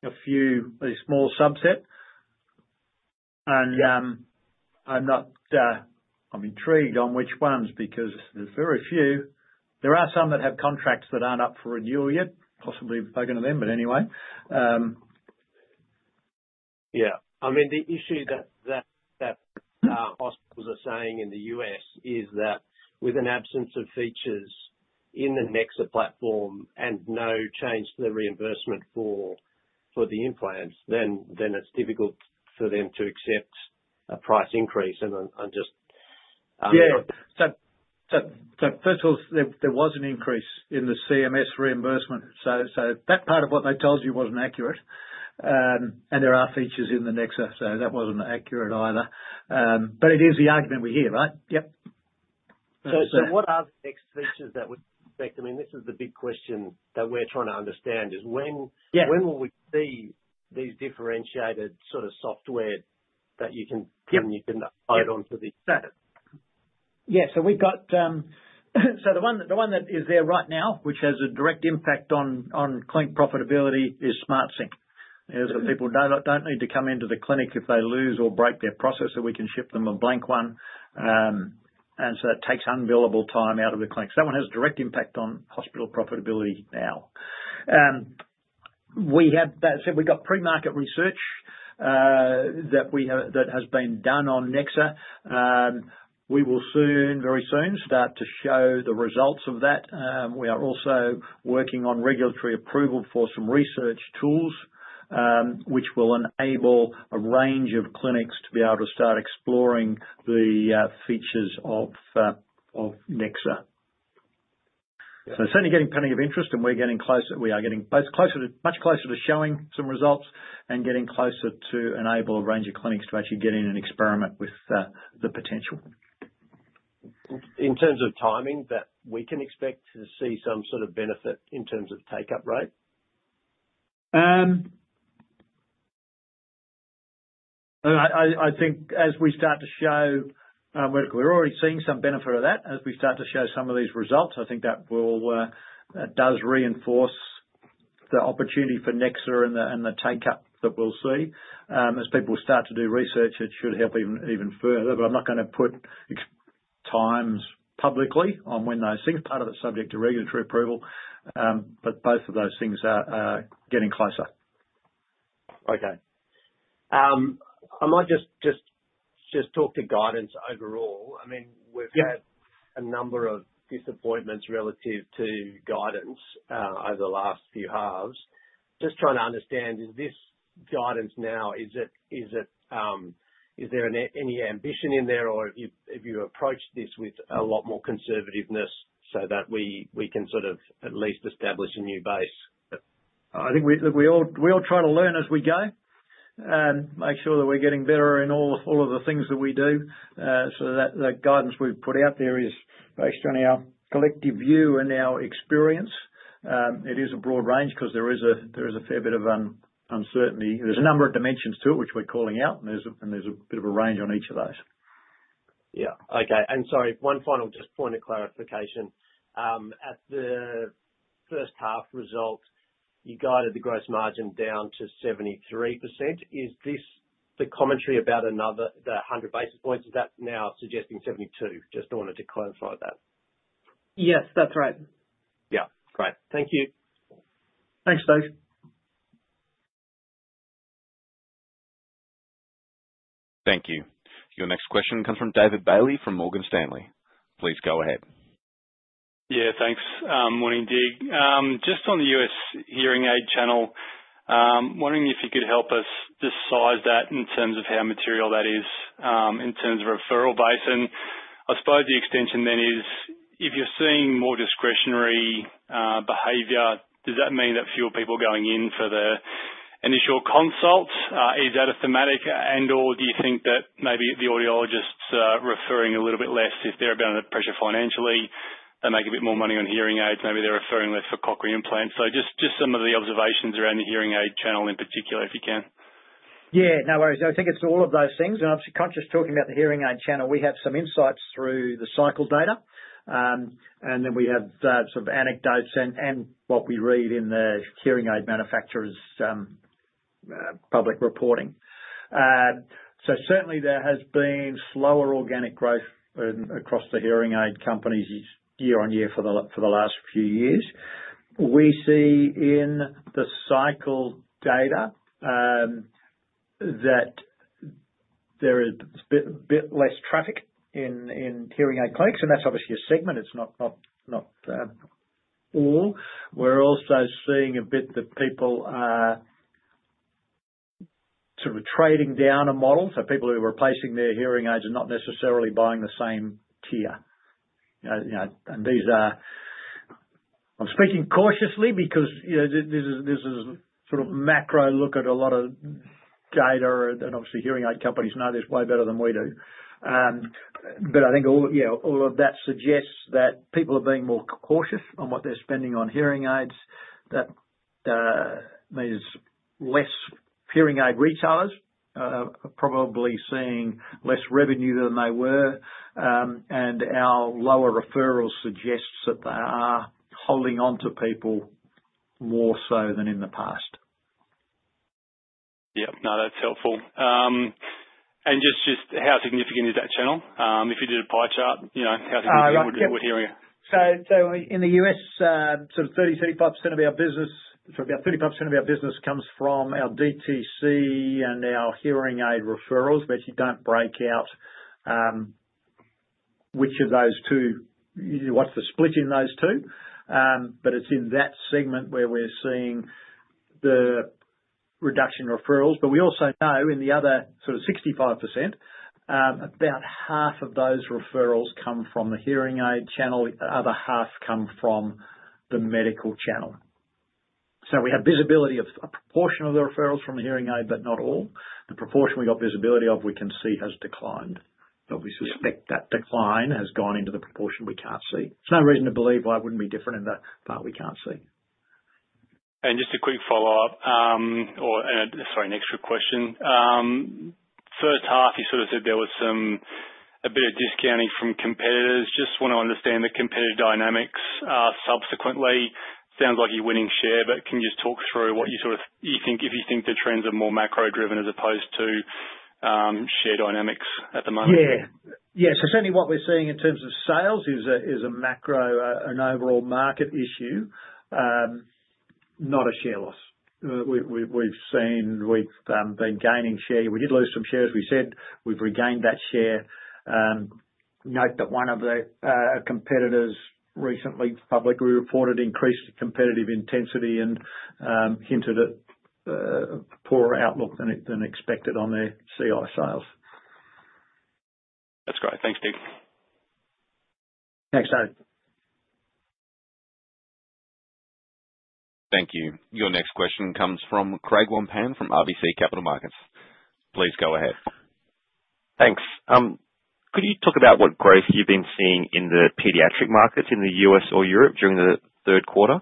a few, a small subset. I'm intrigued on which ones, because there's very few. There are some that have contracts that aren't up for renewal yet. Possibly you've spoken to them, but anyway. I mean, the issue that hospitals are saying in the U.S. is that with an absence of features in the Nexa platform and no change to the reimbursement for the implants, then it's difficult for them to accept a price increase. I'm just. Yeah. First off, there was an increase in the CMS reimbursement. That part of what they told you wasn't accurate. There are features in the Nexa, so that wasn't accurate either. It is the argument we hear, right? Yep. What are the next features that we can expect? I mean, this is the big question that we're trying to understand is. When will we see these differentiated sort of software? You can add on to the status? We've got the one that is there right now, which has a direct impact on clinic profitability, is SmartSync. You know, people don't need to come into the clinic if they lose or break their processor. We can ship them a blank one. That takes unbillable time out of the clinic. That one has direct impact on hospital profitability now. That said, we've got pre-market research that has been done on Nexa. We will very soon start to show the results of that. We are also working on regulatory approval for some research tools, which will enable a range of clinics to be able to start exploring the features of Nexa. It's certainly getting plenty of interest, and we're getting closer. We are getting much closer to showing some results and getting closer to enable a range of clinics to actually get in and experiment with the potential. In terms of timing that we can expect to see some sort of benefit in terms of take-up rate? I think as we start to show, we're already seeing some benefit of that. As we start to show some of these results, I think that will, that does reinforce the opportunity for Nexa and the take up that we'll see. As people start to do research, it should help even further. I'm not gonna put times publicly on when those, second part of it's subject to regulatory approval, but both of those things are getting closer. Okay. I might just talk to guidance overall. We've had a number of disappointments relative to guidance, over the last few halves. Just trying to understand, is this guidance now, is it, is there any ambition in there, or have you approached this with a lot more conservativeness so that we can sort of at least establish a new base? I think we all try to learn as we go. We make sure that we're getting better in all of the things that we do. So that the guidance we've put out there is based on our collective view and our experience. It is a broad range 'cause there is a fair bit of uncertainty. There's a number of dimensions to it, which we're calling out, and there's a bit of a range on each of those. Yeah. Okay. Sorry, one final just point of clarification. At the first half results, you guided the gross margin down to 73%. Is this the commentary about another, the 100 basis points? Is that now suggesting 72%? Just wanted to clarify that. Yes, that's right. Yeah. Great. Thank you. Thanks, Steve. Thank you. Your next question comes from David Bailey from Morgan Stanley. Please go ahead. Yeah, thanks. Morning, Dig. Just on the U.S. hearing aid channel, wondering if you could help us just size that in terms of how material that is in terms of referral base. I suppose the extension then is if you're seeing more discretionary behavior, does that mean that fewer people are going in for the initial consult? Is that a thematic? Do you think that maybe the audiologists are referring a little bit less if they're under pressure financially, they make a bit more money on hearing aids, maybe they're referring less for Cochlear implants. Just some of the observations around the hearing aid channel in particular, if you can. No worries. I think it's all of those things, and obviously conscious talking about the hearing aid channel. We have some insights through the cycle data, and then we have the sort of anecdotes and what we read in the hearing aid manufacturers' public reporting. Certainly there has been slower organic growth across the hearing aid companies year-on-year for the last few years. We see in the cycle data that there is bit less traffic in hearing aid clinics, and that's obviously a segment. It's not all. We're also seeing a bit that people are sort of trading down a model, so people who are replacing their hearing aids are not necessarily buying the same tier. You know, these are I'm speaking cautiously because, you know, this is, this is sort of macro look at a lot of data and obviously hearing aid companies know this way better than we do. I think all, you know, all of that suggests that people are being more cautious on what they're spending on hearing aids. That means less hearing aid retailers, probably seeing less revenue than they were. Our lower referrals suggests that they are holding on to people more so than in the past. Yeah. No, that's helpful. Just how significant is that channel? If you did a pie chart, you know, how significant would hearing? Our 35% of our business comes from our DTC and our hearing aid referrals. We actually don't break out which of those two, what's the split in those two. It's in that segment where we're seeing the reduction in referrals. We also know in the other 65%, about half of those referrals come from the hearing aid channel, the other half come from the medical channel. We have visibility of a proportion of the referrals from the hearing aid, but not all. The proportion we got visibility of, we can see has declined, but we suspect that decline has gone into the proportion we can't see. There's no reason to believe why it wouldn't be different in that part we can't see. Just a quick follow-up, sorry, an extra question. First half, you sort of said there was a bit of discounting from competitors. Just wanna understand the competitive dynamics subsequently. Sounds like you're winning share, can you just talk through what you sort of think, if you think the trends are more macro-driven as opposed to share dynamics at the moment? Certainly what we're seeing in terms of sales is a macro, an overall market issue, not a share loss. We've seen, we've been gaining share. We did lose some shares, we said. We've regained that share. Note that one of the competitors recently publicly reported increased competitive intensity and hinted at poorer outlook than expected on their CI sales. That's great. Thanks, Dig. Thanks, Dave. Thank you. Your next question comes from Craig Wong-Pan from RBC Capital Markets. Please go ahead. Thanks. Could you talk about what growth you've been seeing in the pediatric markets in the U.S. or Europe during the third quarter?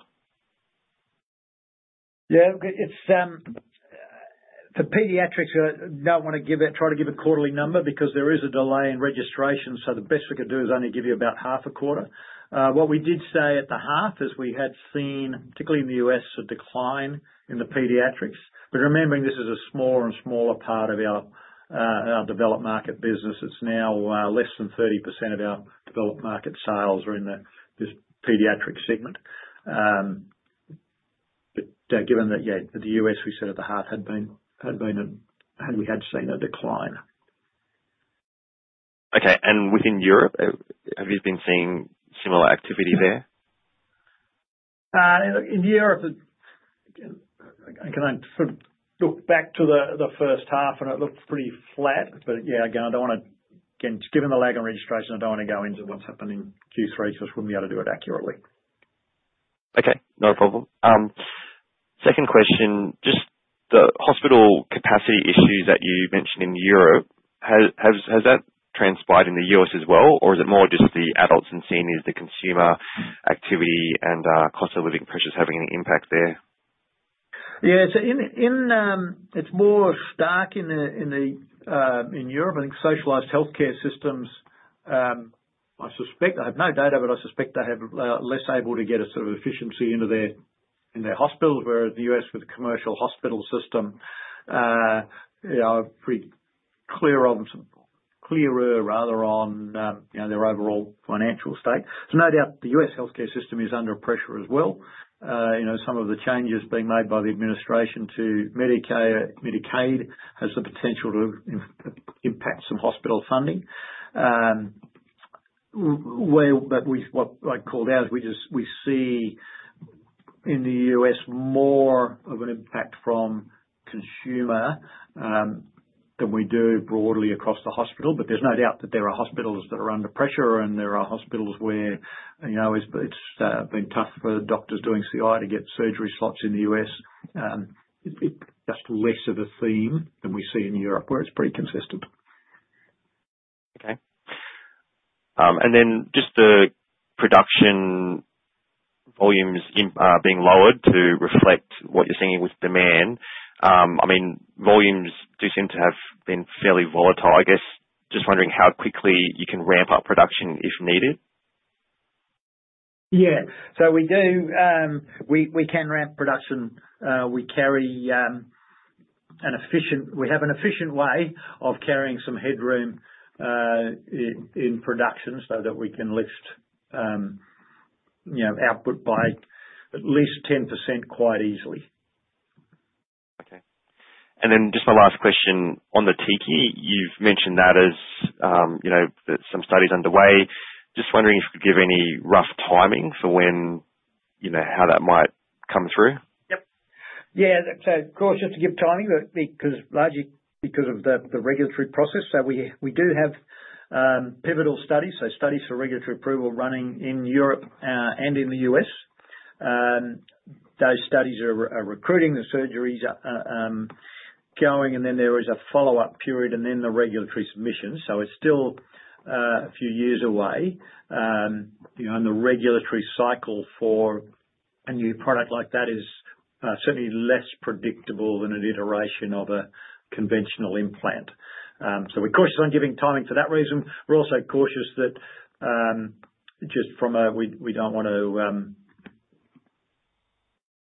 It's the pediatrics, try to give a quarterly number because there is a delay in registration, so the best we could do is only give you about half a quarter. What we did say at the half is we had seen, particularly in the U.S., a decline in the pediatrics. Remembering this is a smaller and smaller part of our developed market business. It's now less than 30% of our developed market sales are in the, this Pediatric segment. Given that, the U.S. we said at the half We had seen a decline. Okay. Within Europe, have you been seeing similar activity there? In Europe, again, can I sort of look back to the first half and it looked pretty flat. Yeah, again, I don't wanna again, given the lag on registration, I don't wanna go into what's happening in Q3 because we wouldn't be able to do it accurately. Okay, not a problem. Second question, just the hospital capacity issues that you mentioned in Europe. Has that transpired in the U.S. as well? Or is it more just the adults and seniors, the consumer activity and cost of living pressures having an impact there? In, it's more stark in the, in Europe and socialized healthcare systems. I suspect, I have no data, but I suspect they have less able to get a sort of efficiency in their hospitals, whereas the U.S. with commercial hospital system, you know, are pretty clearer rather on, you know, their overall financial state. No doubt the U.S. healthcare system is under pressure as well. You know, some of the changes being made by the administration to Medicaid has the potential to impact some hospital funding. Well, what I called out, we just see in the U.S. more of an impact from consumer than we do broadly across the hospital. There's no doubt that there are hospitals that are under pressure, and there are hospitals where, you know, it's been tough for doctors doing CI to get surgery slots in the U.S. It just less of a theme than we see in Europe, where it's pretty consistent. Okay. Then just the production volumes being lowered to reflect what you're seeing with demand. I mean, volumes do seem to have been fairly volatile. I guess, just wondering how quickly you can ramp up production if needed. Yeah. We can ramp production. We have an efficient way of carrying some headroom, in production so that we can lift, you know, output by at least 10% quite easily. Okay. Just my last question on the TICI. You've mentioned that as, you know, that some studies underway. Just wondering if you could give any rough timing for when, you know, how that might come through? Yep. Yeah, that's a cautious to give timing, because, largely because of the regulatory process. We do have pivotal studies, so studies for regulatory approval running in Europe and in the U.S. Those studies are recruiting, the surgeries are going, then there is a follow-up period then the regulatory submission. It's still a few years away. You know, the regulatory cycle for a new product like that is certainly less predictable than an iteration of a conventional implant. We're cautious on giving timing for that reason. We're also cautious that, just from a, we don't want to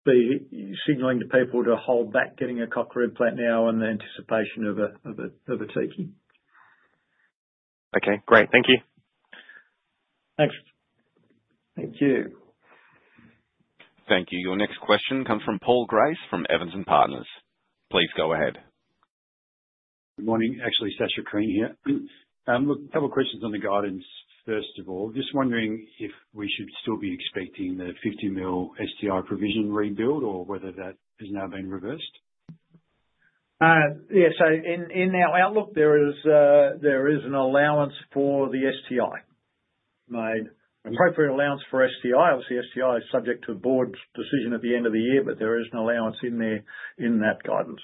be signaling to people to hold back getting a Cochlear implant now in the anticipation of a TICI. Okay, great. Thank you. Thanks. Thank you. Thank you. Your next question comes from Paul Grace, from Evans & Partners. Please go ahead. Good morning. Actually, Sacha Krien here. Look, a couple questions on the guidance, first of all. Just wondering if we should still be expecting the 50 million STI provision rebuild or whether that has now been reversed. Yeah, in our outlook, there is an allowance for the STI made. An appropriate allowance for STI. Obviously, STI is subject to a board's decision at the end of the year, but there is an allowance in there in that guidance.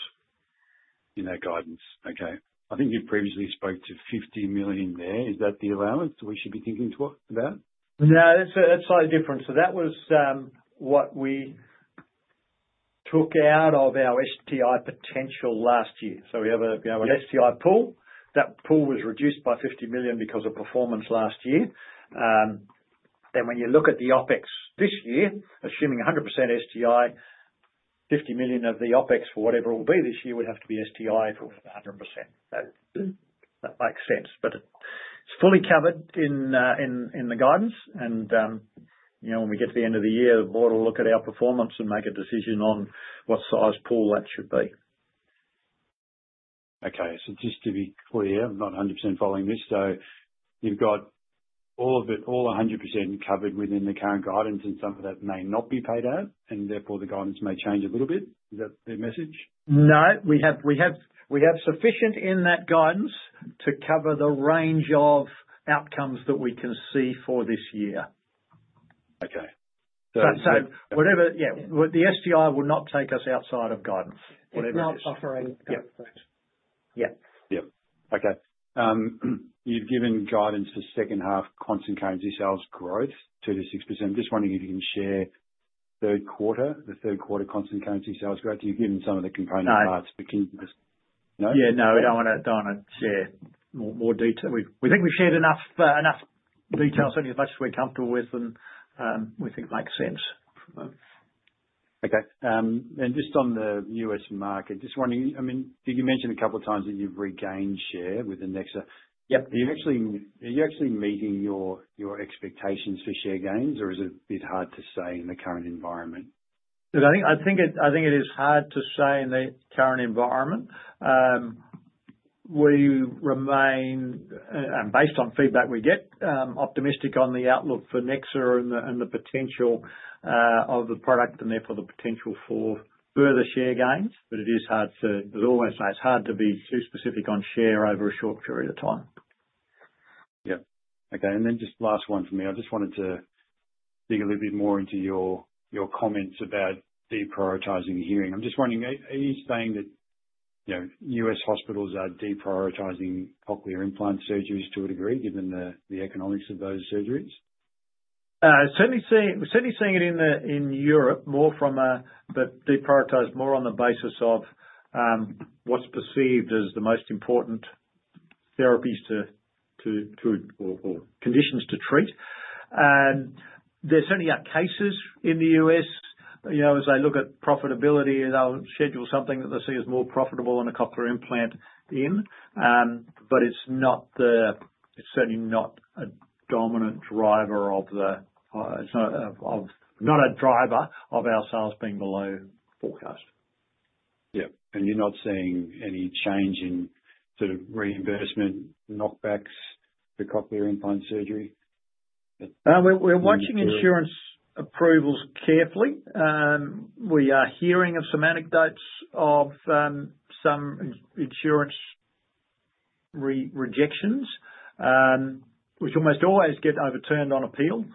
In that guidance. Okay. I think you previously spoke to 50 million there. Is that the allowance we should be thinking about? No, that's slightly different. That was what we took out of our STI potential last year. We have a, you know, an STI pool. That pool was reduced by 50 million because of performance last year. When you look at the OpEx this year, assuming 100% STI, 50 million of the OpEx for whatever it will be this year would have to be STI for 100%. That makes sense. It's fully covered in, in the guidance and, you know, when we get to the end of the year, the board will look at our performance and make a decision on what size pool that should be. Okay. Just to be clear, I'm not 100% following this. You've got all of it, all 100% covered within the current guidance and some of that may not be paid out, and therefore the guidance may change a little bit? Is that the message? No. We have sufficient in that guidance to cover the range of outcomes that we can see for this year. Okay. Whatever, the STI will not take us outside of guidance, whatever it is. It's not offering guidance. Yeah. Okay. You've given guidance for second half Constant Currency Sales growth, 2%-6%. Just wondering if you can share third quarter, the third quarter Constant Currency Sales growth? You've given some of the component parts. No. Can you just No? Yeah, no, I don't wanna share more detail. We think we've shared enough details, only as much as we're comfortable with and we think makes sense. Okay. Just on the U.S. market, just wondering, I mean, you mentioned a couple of times that you've regained share with the Nexa. Yep. Are you actually meeting your expectations for share gains, or is it a bit hard to say in the current environment? Look, I think it is hard to say in the current environment. We remain based on feedback we get optimistic on the outlook for Nexa and the potential of the product, and therefore the potential for further share gains. As I always say, it is hard to be too specific on share over a short period of time. Yep. Okay. Just last one for me. I just wanted to dig a little bit more into your comments about deprioritizing hearing. I'm just wondering, are you saying that, you know, U.S. hospitals are deprioritizing Cochlear implant surgeries to a degree, given the economics of those surgeries? Certainly seeing it in Europe, more from a, the deprioritized more on the basis of what's perceived as the most important therapies to or conditions to treat. There certainly are cases in the U.S., you know, as they look at profitability, they'll schedule something that they see as more profitable than a Cochlear implant in, but it's certainly not a dominant driver of the, it's not a driver of our sales being below forecast. Yep. You're not seeing any change in sort of reimbursement knockbacks for Cochlear implant surgery? We're watching insurance approvals carefully. We are hearing of some anecdotes of some insurance rejections, which almost always get overturned on appeal.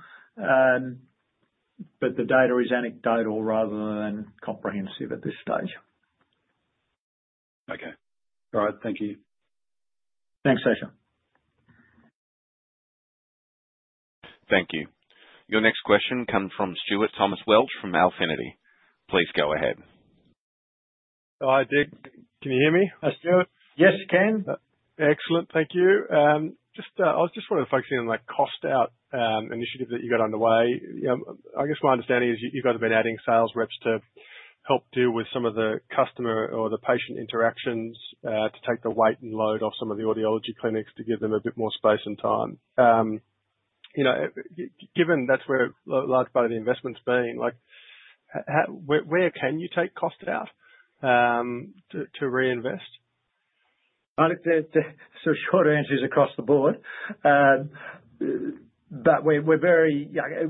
The data is anecdotal rather than comprehensive at this stage. Okay. All right. Thank you. Thanks, Sacha. Thank you. Your next question comes from Stuart Welch from Alphinity. Please go ahead. Hi, Dig. Can you hear me? Hi, Stuart. Yes, can. Excellent. Thank you. I was just wanna focusing on that cost out initiative that you got underway. I guess my understanding is you guys have been adding sales reps to help deal with some of the customer or the patient interactions to take the weight and load off some of the audiology clinics to give them a bit more space and time. You know, given that's where large part of the investment's been, like, where can you take cost out to reinvest? Look, they're short answer is across the board. We're very Yeah,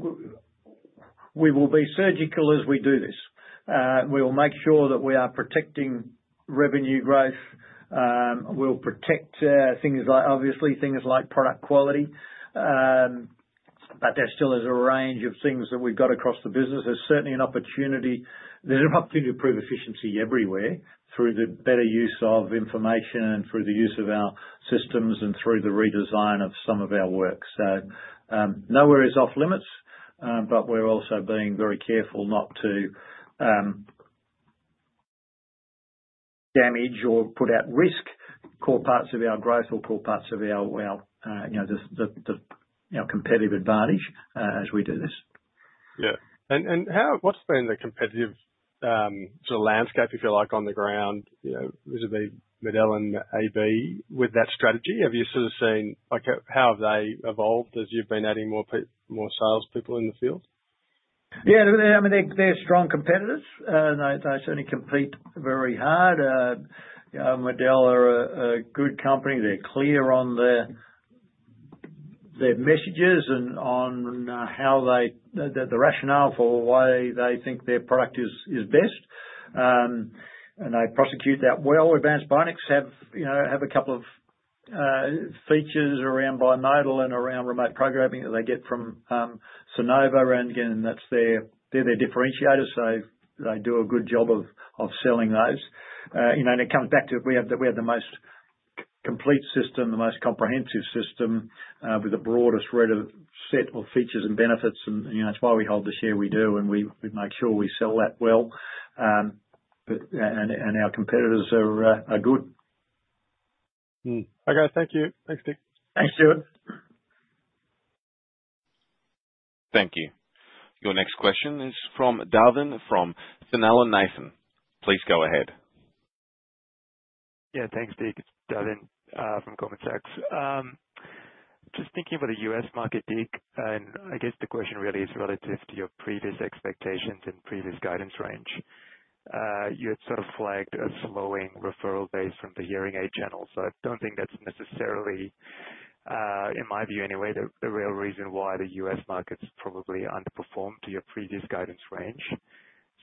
we will be surgical as we do this. We will make sure that we are protecting revenue growth. We'll protect things like, obviously, things like product quality. There still is a range of things that we've got across the business. There's certainly an opportunity. There's an opportunity to improve efficiency everywhere through the better use of information and through the use of our systems and through the redesign of some of our work. Nowhere is off-limits, we're also being very careful not to damage or put at risk core parts of our growth or core parts of our, you know, the, the, you know, competitive advantage as we do this. Yeah. How what's been the competitive, sort of landscape, if you like, on the ground, you know, vis-a-vis MED-EL and AB with that strategy? Have you sort of seen, like, how have they evolved as you've been adding more salespeople in the field? Yeah, I mean, they're strong competitors, and they certainly compete very hard. You know, MED-EL are a good company. They're clear on their messages and on how they the rationale for why they think their product is best. They prosecute that well. Advanced Bionics have, you know, have a couple of features around bimodal and around remote programming that they get from Sonova again, that's they're their differentiator, so they do a good job of selling those. You know, it comes back to we have the most complete system, the most comprehensive system, with the broadest set of features and benefits. You know, it's why we hold the share we do, and we make sure we sell that well. Our competitors are good. Okay, thank you. Thanks, Dig. Thanks, Stuart. Thank you. Your next question is from Davin Thillainathan from Goldman Sachs. Please go ahead. Thanks, Dig. It's Davin from Goldman Sachs. Just thinking about the U.S. market, Dig, and I guess the question really is relative to your previous expectations and previous guidance range. You had sort of flagged a slowing referral base from the hearing aid channel, so I don't think that's necessarily in my view anyway, the real reason why the U.S. market's probably underperformed to your previous guidance range.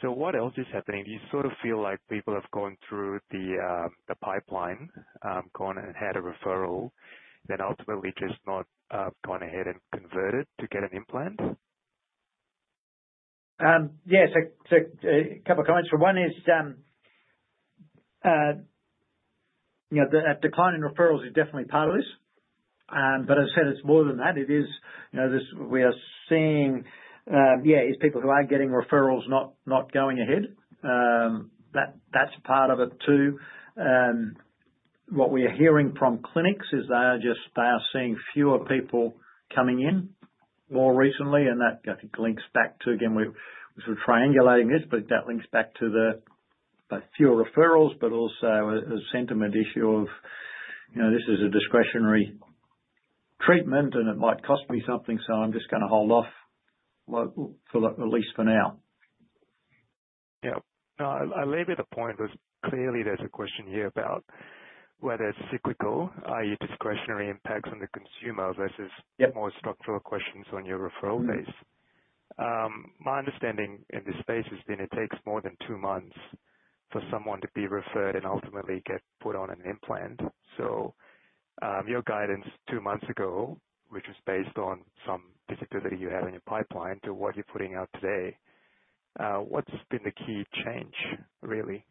What else is happening? Do you sort of feel like people have gone through the pipeline, gone and had a referral, then ultimately just not gone ahead and converted to get an implant? Yes. A couple of comments for. One is, you know, the, a decline in referrals is definitely part of this. As I said, it's more than that. It is, you know, this we are seeing, is people who are getting referrals not going ahead. That's part of it too. What we are hearing from clinics is they are just, they are seeing fewer people coming in more recently, and that I think links back to, again, we're sort of triangulating this, that links back to the fewer referrals, also a sentiment issue of, you know, this is a discretionary treatment and it might cost me something, I'm just gonna hold off for like, at least for now. Yeah. No, I label the point as clearly there's a question here about whether it's cyclical, i.e., discretionary impacts on the consumer versus more structural questions on your referral base. My understanding in this space has been it takes more than two months for someone to be referred and ultimately get put on an implant. Your guidance two months ago, which was based on some visibility you had in your pipeline to what you're putting out today, what's been the key change really?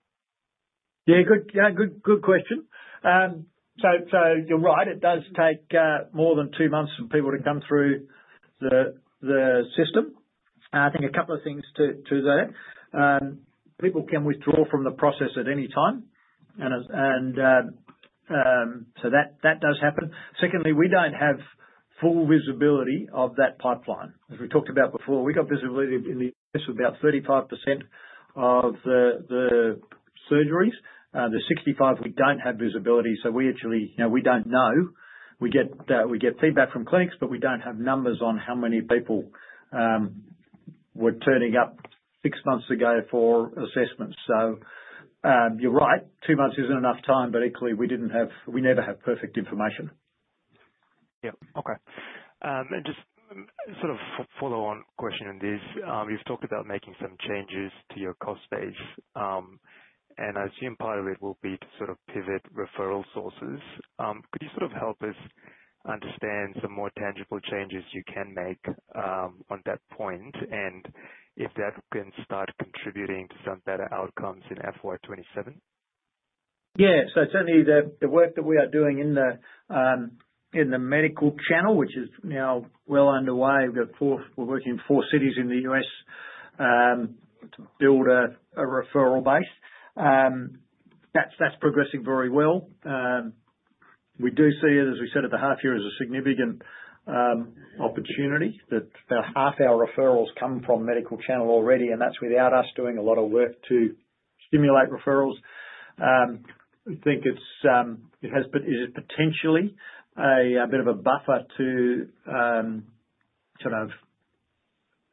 Good. Good, good question. So you're right, it does take more than two months for people to come through the system. I think a couple of things to that. People can withdraw from the process at any time, and as, so that does happen. Secondly, we don't have full visibility of that pipeline. As we talked about before, we got visibility in this was about 35% of the surgeries. The 65, we don't have visibility, so we actually, you know, we don't know. We get feedback from clinics, but we don't have numbers on how many people were turning up six months ago for assessments. You're right, two months isn't enough time, but equally we didn't have, we never have perfect information. Yeah. Okay. Just sort of follow on question on this. You've talked about making some changes to your cost base, I assume part of it will be to sort of pivot referral sources. Could you sort of help us understand some more tangible changes you can make on that point, and if that can start contributing to some better outcomes in FY 2027? Yeah. Certainly the work that we are doing in the medical channel, which is now well underway. We are working in four cities in the U.S. to build a referral base. That is progressing very well. We do see it, as we said at the half year, as a significant opportunity that about half our referrals come from medical channel already, and that is without us doing a lot of work to stimulate referrals. I think it's, it is potentially a bit of a buffer to sort of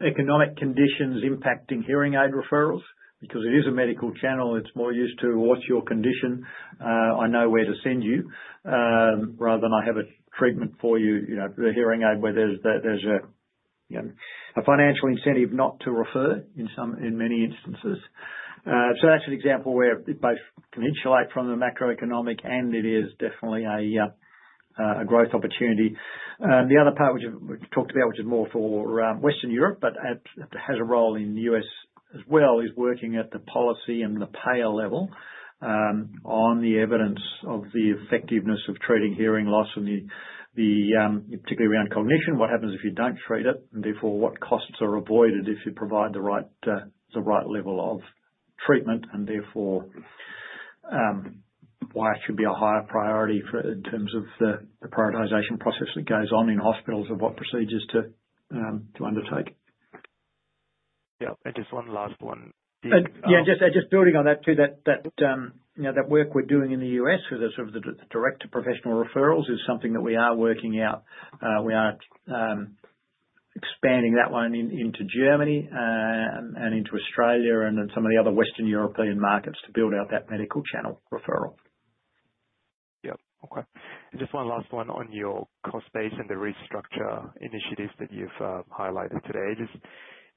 economic conditions impacting hearing aid referrals because it is a medical channel, it's more used to what's your condition, I know where to send you, rather than I have a treatment for you know, the hearing aid where there's a, you know, a financial incentive not to refer in some, in many instances. That's an example where it both can insulate from the macroeconomic, and it is definitely a growth opportunity. The other part which we've talked about, which is more for Western Europe, but it has a role in the U.S. as well, is working at the policy and the payer level, on the evidence of the effectiveness of treating hearing loss and the, particularly around cognition, what happens if you don't treat it, and therefore what costs are avoided if you provide the right level of treatment, and therefore, why it should be a higher priority for in terms of the prioritization process that goes on in hospitals of what procedures to undertake. Yeah. Just one last one, Dig. Yeah, just, and just building on that too, that, you know, that work we're doing in the U.S. with the sort of the Director professional referrals is something that we are working out. We are expanding that one into Germany, and into Australia and then some of the other Western European markets to build out that medical channel referral. Yeah. Okay. Just one last one on your cost base and the restructure initiatives that you've highlighted today. Just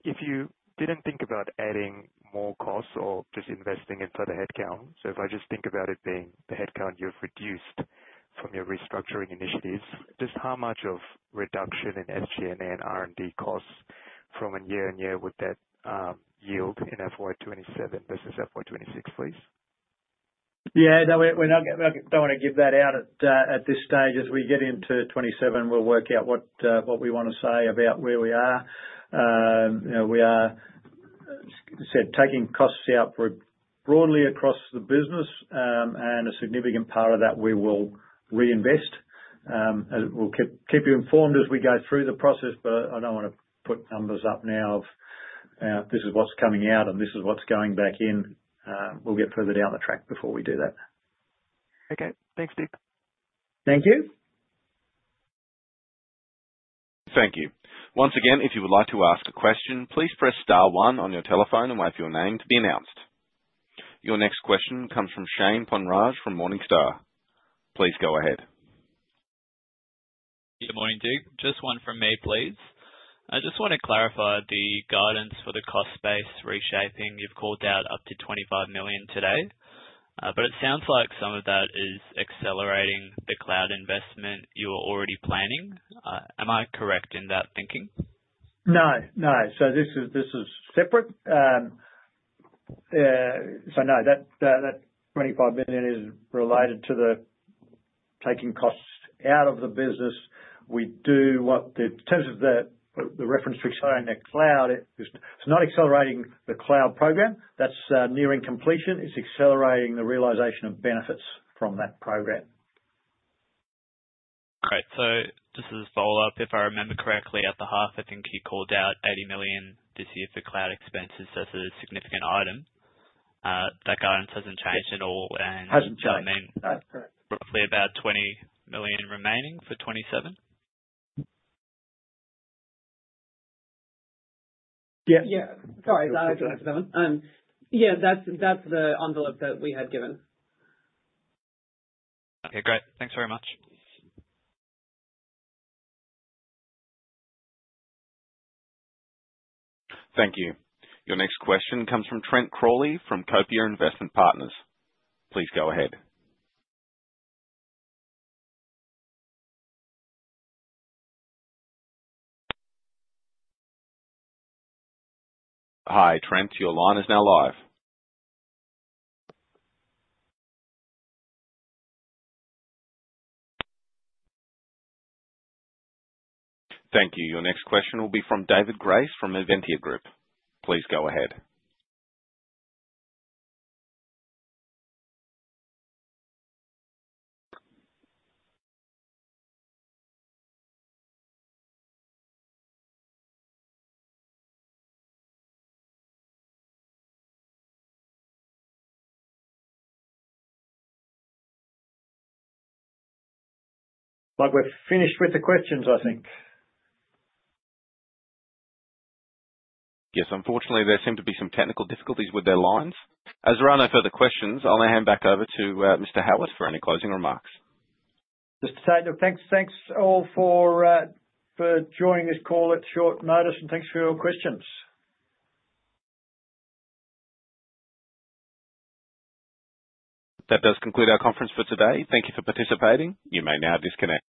if you didn't think about adding more costs or just investing into the headcount, if I just think about it being the headcount you've reduced from your restructuring initiatives, just how much of reduction in SG&A and R&D costs from a year-on-year would that yield in FY 2027 versus FY 2026, please? No, we're not gonna give that out at this stage. As we get into 2027, we'll work out what we wanna say about where we are. You know, we are, as I said, taking costs out for broadly across the business, and a significant part of that we will reinvest. As we'll keep you informed as we go through the process, but I don't wanna put numbers up now of this is what's coming out and this is what's going back in. We'll get further down the track before we do that. Okay. Thanks, Dig. Thank you. Thank you. Once again, if you would like to ask a question, please press star one on your telephone and wait for your name to be announced. Your next question comes from Shane Ponraj from Morningstar. Please go ahead. Good morning, Dig. Just one from me, please. I just want to clarify the guidance for the cost base reshaping. You've called out up to 25 million today. It sounds like some of that is accelerating the cloud investment you were already planning. Am I correct in that thinking? No, no. This is separate. No, that 25 million is related to the taking costs out of the business. In terms of the reference to accelerating the cloud, it's not accelerating the cloud program. That's nearing completion. It's accelerating the realization of benefits from that program. Great. Just as a follow-up, if I remember correctly, at the half, I think you called out 80 million this year for cloud expenses as a significant item. That guidance hasn't changed at all. Hasn't changed. That's correct. Roughly about AUD 20 million remaining for 2027? Yeah. Yeah. Sorry, Dig Howitt, did you want to add to that one? Yeah, that's the envelope that we had given. Okay, great. Thanks very much. Thank you. Your next question comes from Trent Crawley from Copia Investment Partners. Please go ahead. Hi, Trent, your line is now live. Thank you. Your next question will be from David Grace from Evidentia Group. Please go ahead. Like, we're finished with the questions, I think. Yes, unfortunately, there seem to be some technical difficulties with their lines. As there are no further questions, I'll now hand back over to Mr. Howitt for any closing remarks. Just to say look, thanks all for joining this call at short notice, and thanks for your questions. That does conclude our conference for today. Thank you for participating. You may now disconnect.